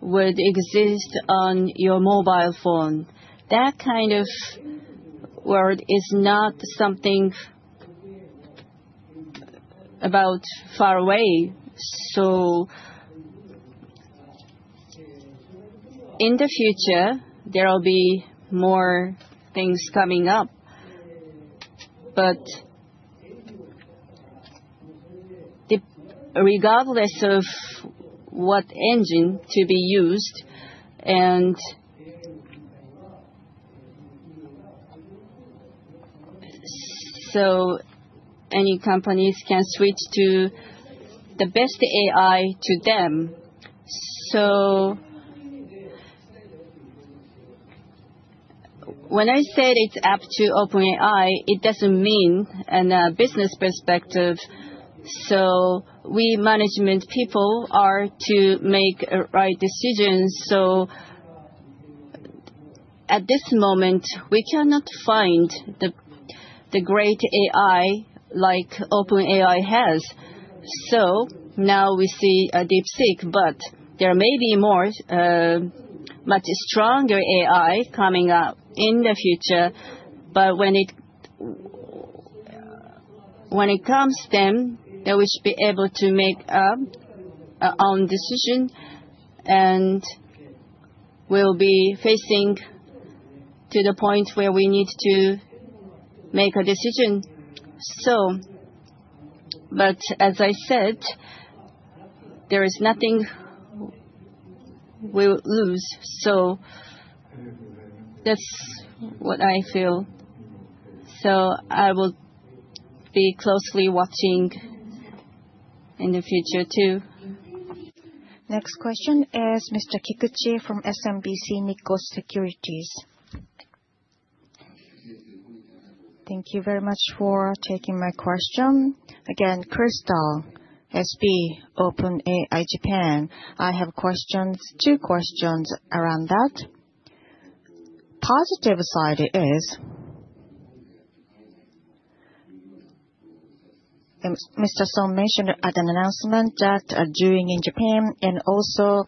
would exist on your mobile phone. That kind of world is not something about far away. So in the future, there will be more things coming up. But regardless of what engine to be used, and so any companies can switch to the best AI to them. So when I said it's up to OpenAI, it doesn't mean a business perspective. So we management people are to make right decisions. So at this moment, we cannot find the great AI like OpenAI has. So now we see DeepSeek, but there may be much stronger AI coming up in the future. But when it comes to them, they will be able to make their own decision and will be facing to the point where we need to make a decision. But as I said, there is nothing we will lose. So that's what I feel. So I will be closely watching in the future too. Next question is Mr. Kikuchi from SMBC Nikko Securities. Thank you very much for taking my question. Again, Cristal has been OpenAI Japan. I have two questions around that. Positive side is Mr. Son mentioned at an announcement that during in Japan and also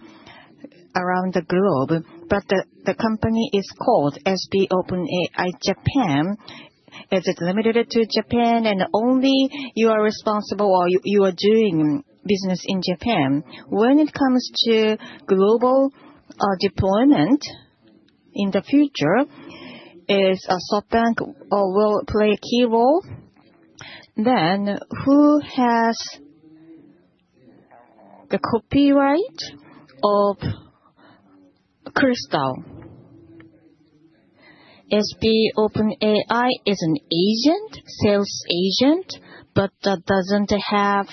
around the globe, but the company is called SB OpenAI Japan. Is it limited to Japan and only you are responsible or you are doing business in Japan? When it comes to global deployment in the future, is SoftBank or will play a key role? Who has the copyright of Cristal? SB OpenAI is an agent, sales agent, but that doesn't have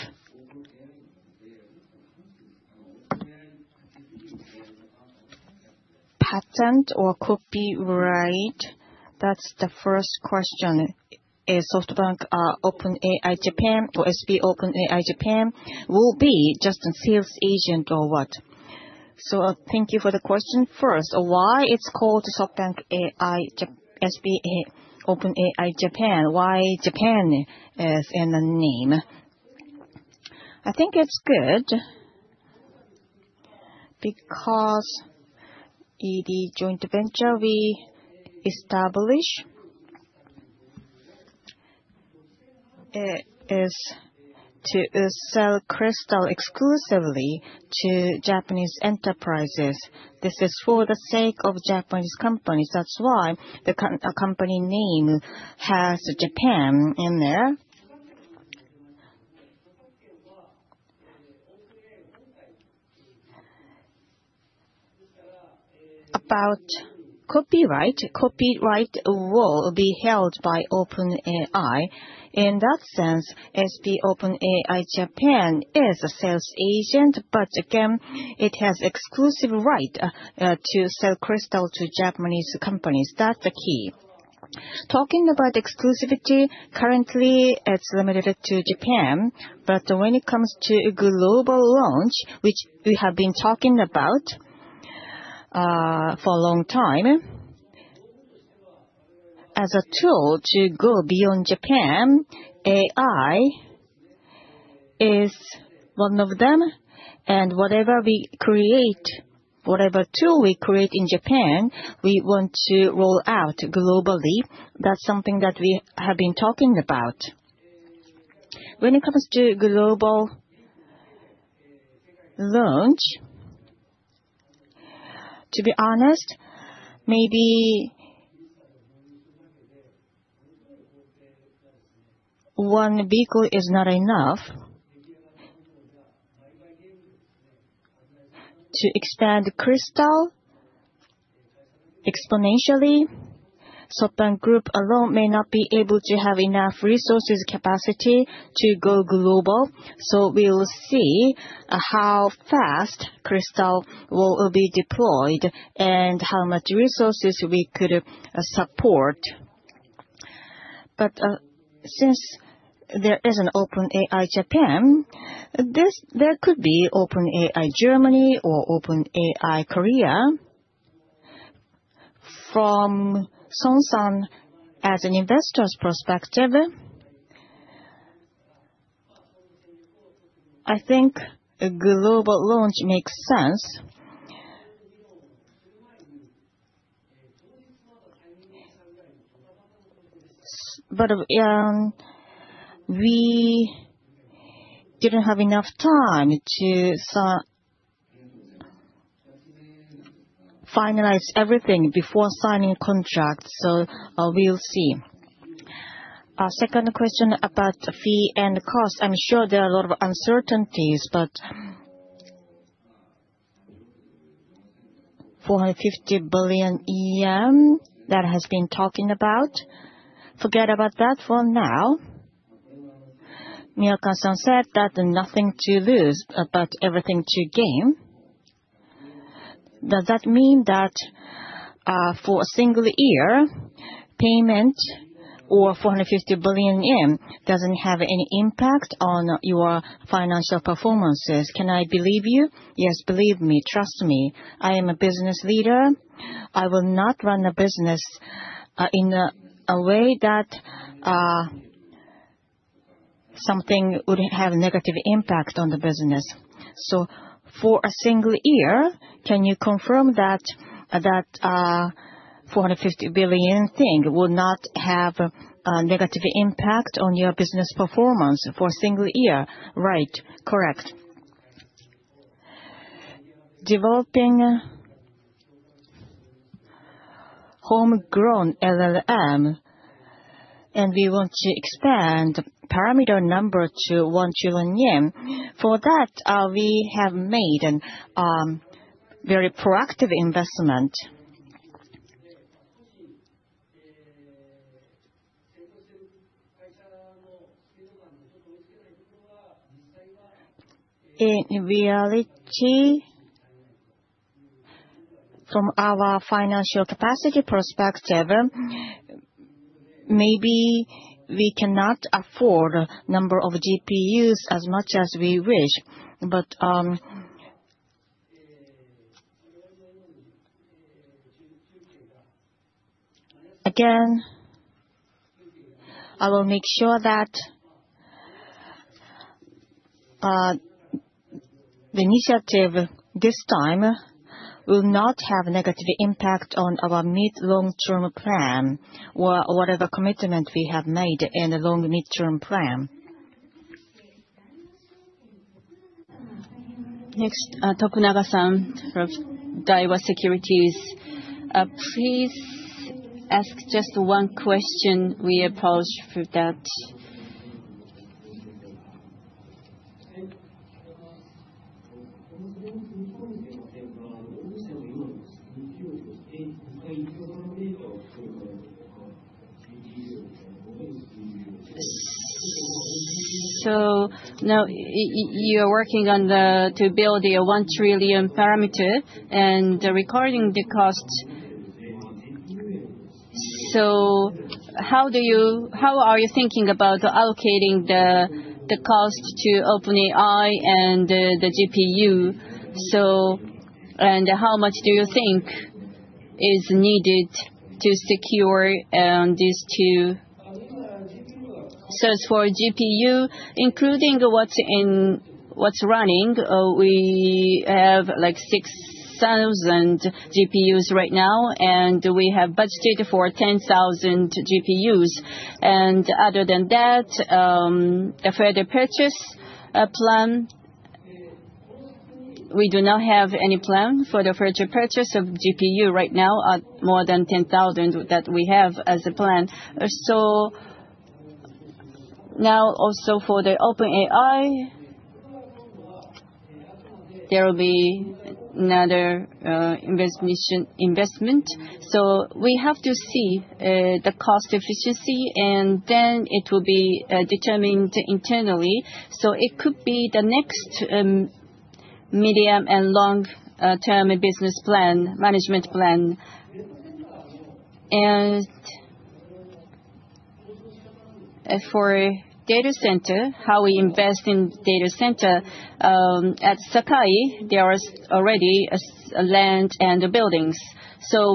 patent or copyright. That's the first question. Is SoftBank OpenAI Japan or SB OpenAI Japan will be just a sales agent or what? Thank you for the question. First, why it's called SoftBank and SB OpenAI Japan? Why Japan is in the name? I think it's good because the joint venture we established is to sell Cristal exclusively to Japanese enterprises. This is for the sake of Japanese companies. That's why the company name has Japan in there. About copyright, copyright will be held by OpenAI. In that sense, SB OpenAI Japan is a sales agent, but again, it has exclusive right to sell Cristal to Japanese companies. That's the key. Talking about exclusivity, currently it's limited to Japan, but when it comes to a global launch, which we have been talking about for a long time, as a tool to go beyond Japan, AI is one of them, and whatever we create, whatever tool we create in Japan, we want to roll out globally. That's something that we have been talking about. When it comes to global launch, to be honest, maybe one vehicle is not enough to expand Cristal exponentially. SoftBank Group alone may not be able to have enough resources capacity to go global, so we will see how fast Cristal will be deployed and how much resources we could support, but since there is an OpenAI Japan, there could be OpenAI Germany or OpenAI Korea. From Son-san as an investor's perspective, I think a global launch makes sense. But we didn't have enough time to finalize everything before signing contracts. So we'll see. Second question about fee and cost. I'm sure there are a lot of uncertainties, but 450 billion yen that has been talking about. Forget about that for now. Miyakawa-san said that nothing to lose, but everything to gain. Does that mean that for a single year, payment or 450 billion yen doesn't have any impact on your financial performances? Can I believe you? Yes, believe me, trust me. I am a business leader. I will not run a business in a way that something would have a negative impact on the business. So for a single year, can you confirm that that 450 billion thing will not have a negative impact on your business performance for a single year? Right. Correct. Developing homegrown LLM, and we want to expand parameter number to 1 trillion parameters. For that, we have made a very proactive investment. In reality, from our financial capacity perspective, maybe we cannot afford a number of GPUs as much as we wish. But again, I will make sure that the initiative this time will not have a negative impact on our mid-long-term plan or whatever commitment we have made in the long mid-term plan. Next, Tokunaga-san from Daiwa Securities. Please ask just one question. Regarding that. So now you are working on how to build a 1 trillion parameter and regarding the cost. So how are you thinking about allocating the cost to OpenAI and the GPU? And how much do you think is needed to secure these two? So for GPU, including what's running, we have like 6,000 GPUs right now, and we have budgeted for 10,000 GPUs. Other than that, the further purchase plan, we do not have any plan for the further purchase of GPU right now at more than 10,000 that we have as a plan. Now also for the OpenAI, there will be another investment. We have to see the cost efficiency, and then it will be determined internally. It could be the next medium and long-term business plan, management plan. For data center, how we invest in data center at Sakai, there are already land and buildings.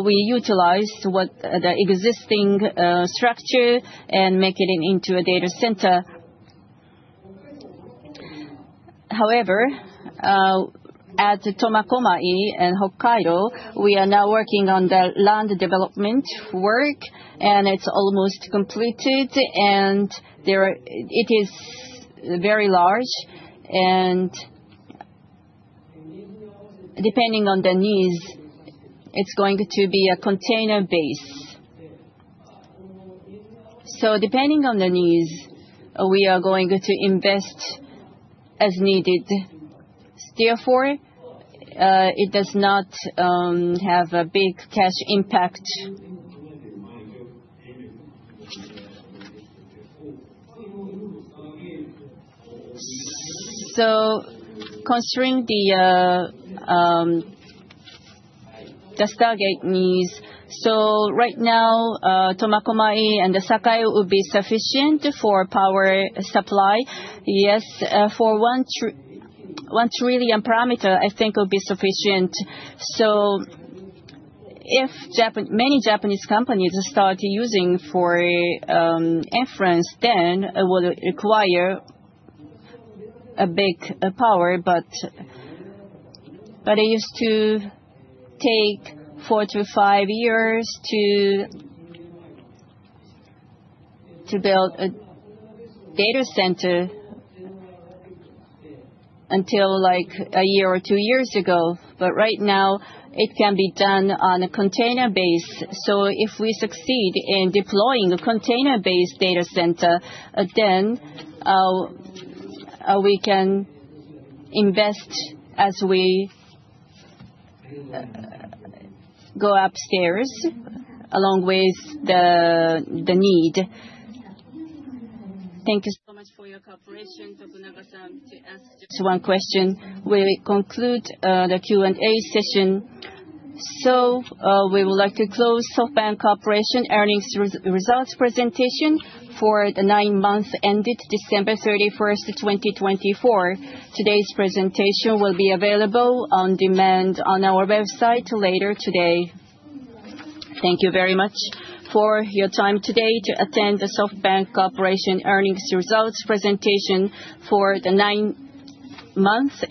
We utilize the existing structure and make it into a data center. However, at Tomakomai and Hokkaido, we are now working on the land development work, and it's almost completed, and it is very large. Depending on the needs, it's going to be a container-based. Depending on the needs, we are going to invest as needed. Therefore, it does not have a big cash impact. So considering the staggered needs, so right now, Tomakomai and Sakai will be sufficient for power supply? Yes, for 1 trillion parameter, I think it will be sufficient. So if many Japanese companies start using for inference, then it will require a big power. But it used to take four to five years to build a data center until like a year or two years ago. But right now, it can be done on a container-based. So if we succeed in deploying a container-based data center, then we can invest as we go upstairs along with the need. Thank you so much for your cooperation, Tokunaga-san, to ask. One question. We conclude the Q&A session. So we would like to close SoftBank Corporation earnings results presentation for the nine months ended December 31st, 2024. Today's presentation will be available on demand on our website later today. Thank you very much for your time today to attend the SoftBank Corporation earnings results presentation for the nine months.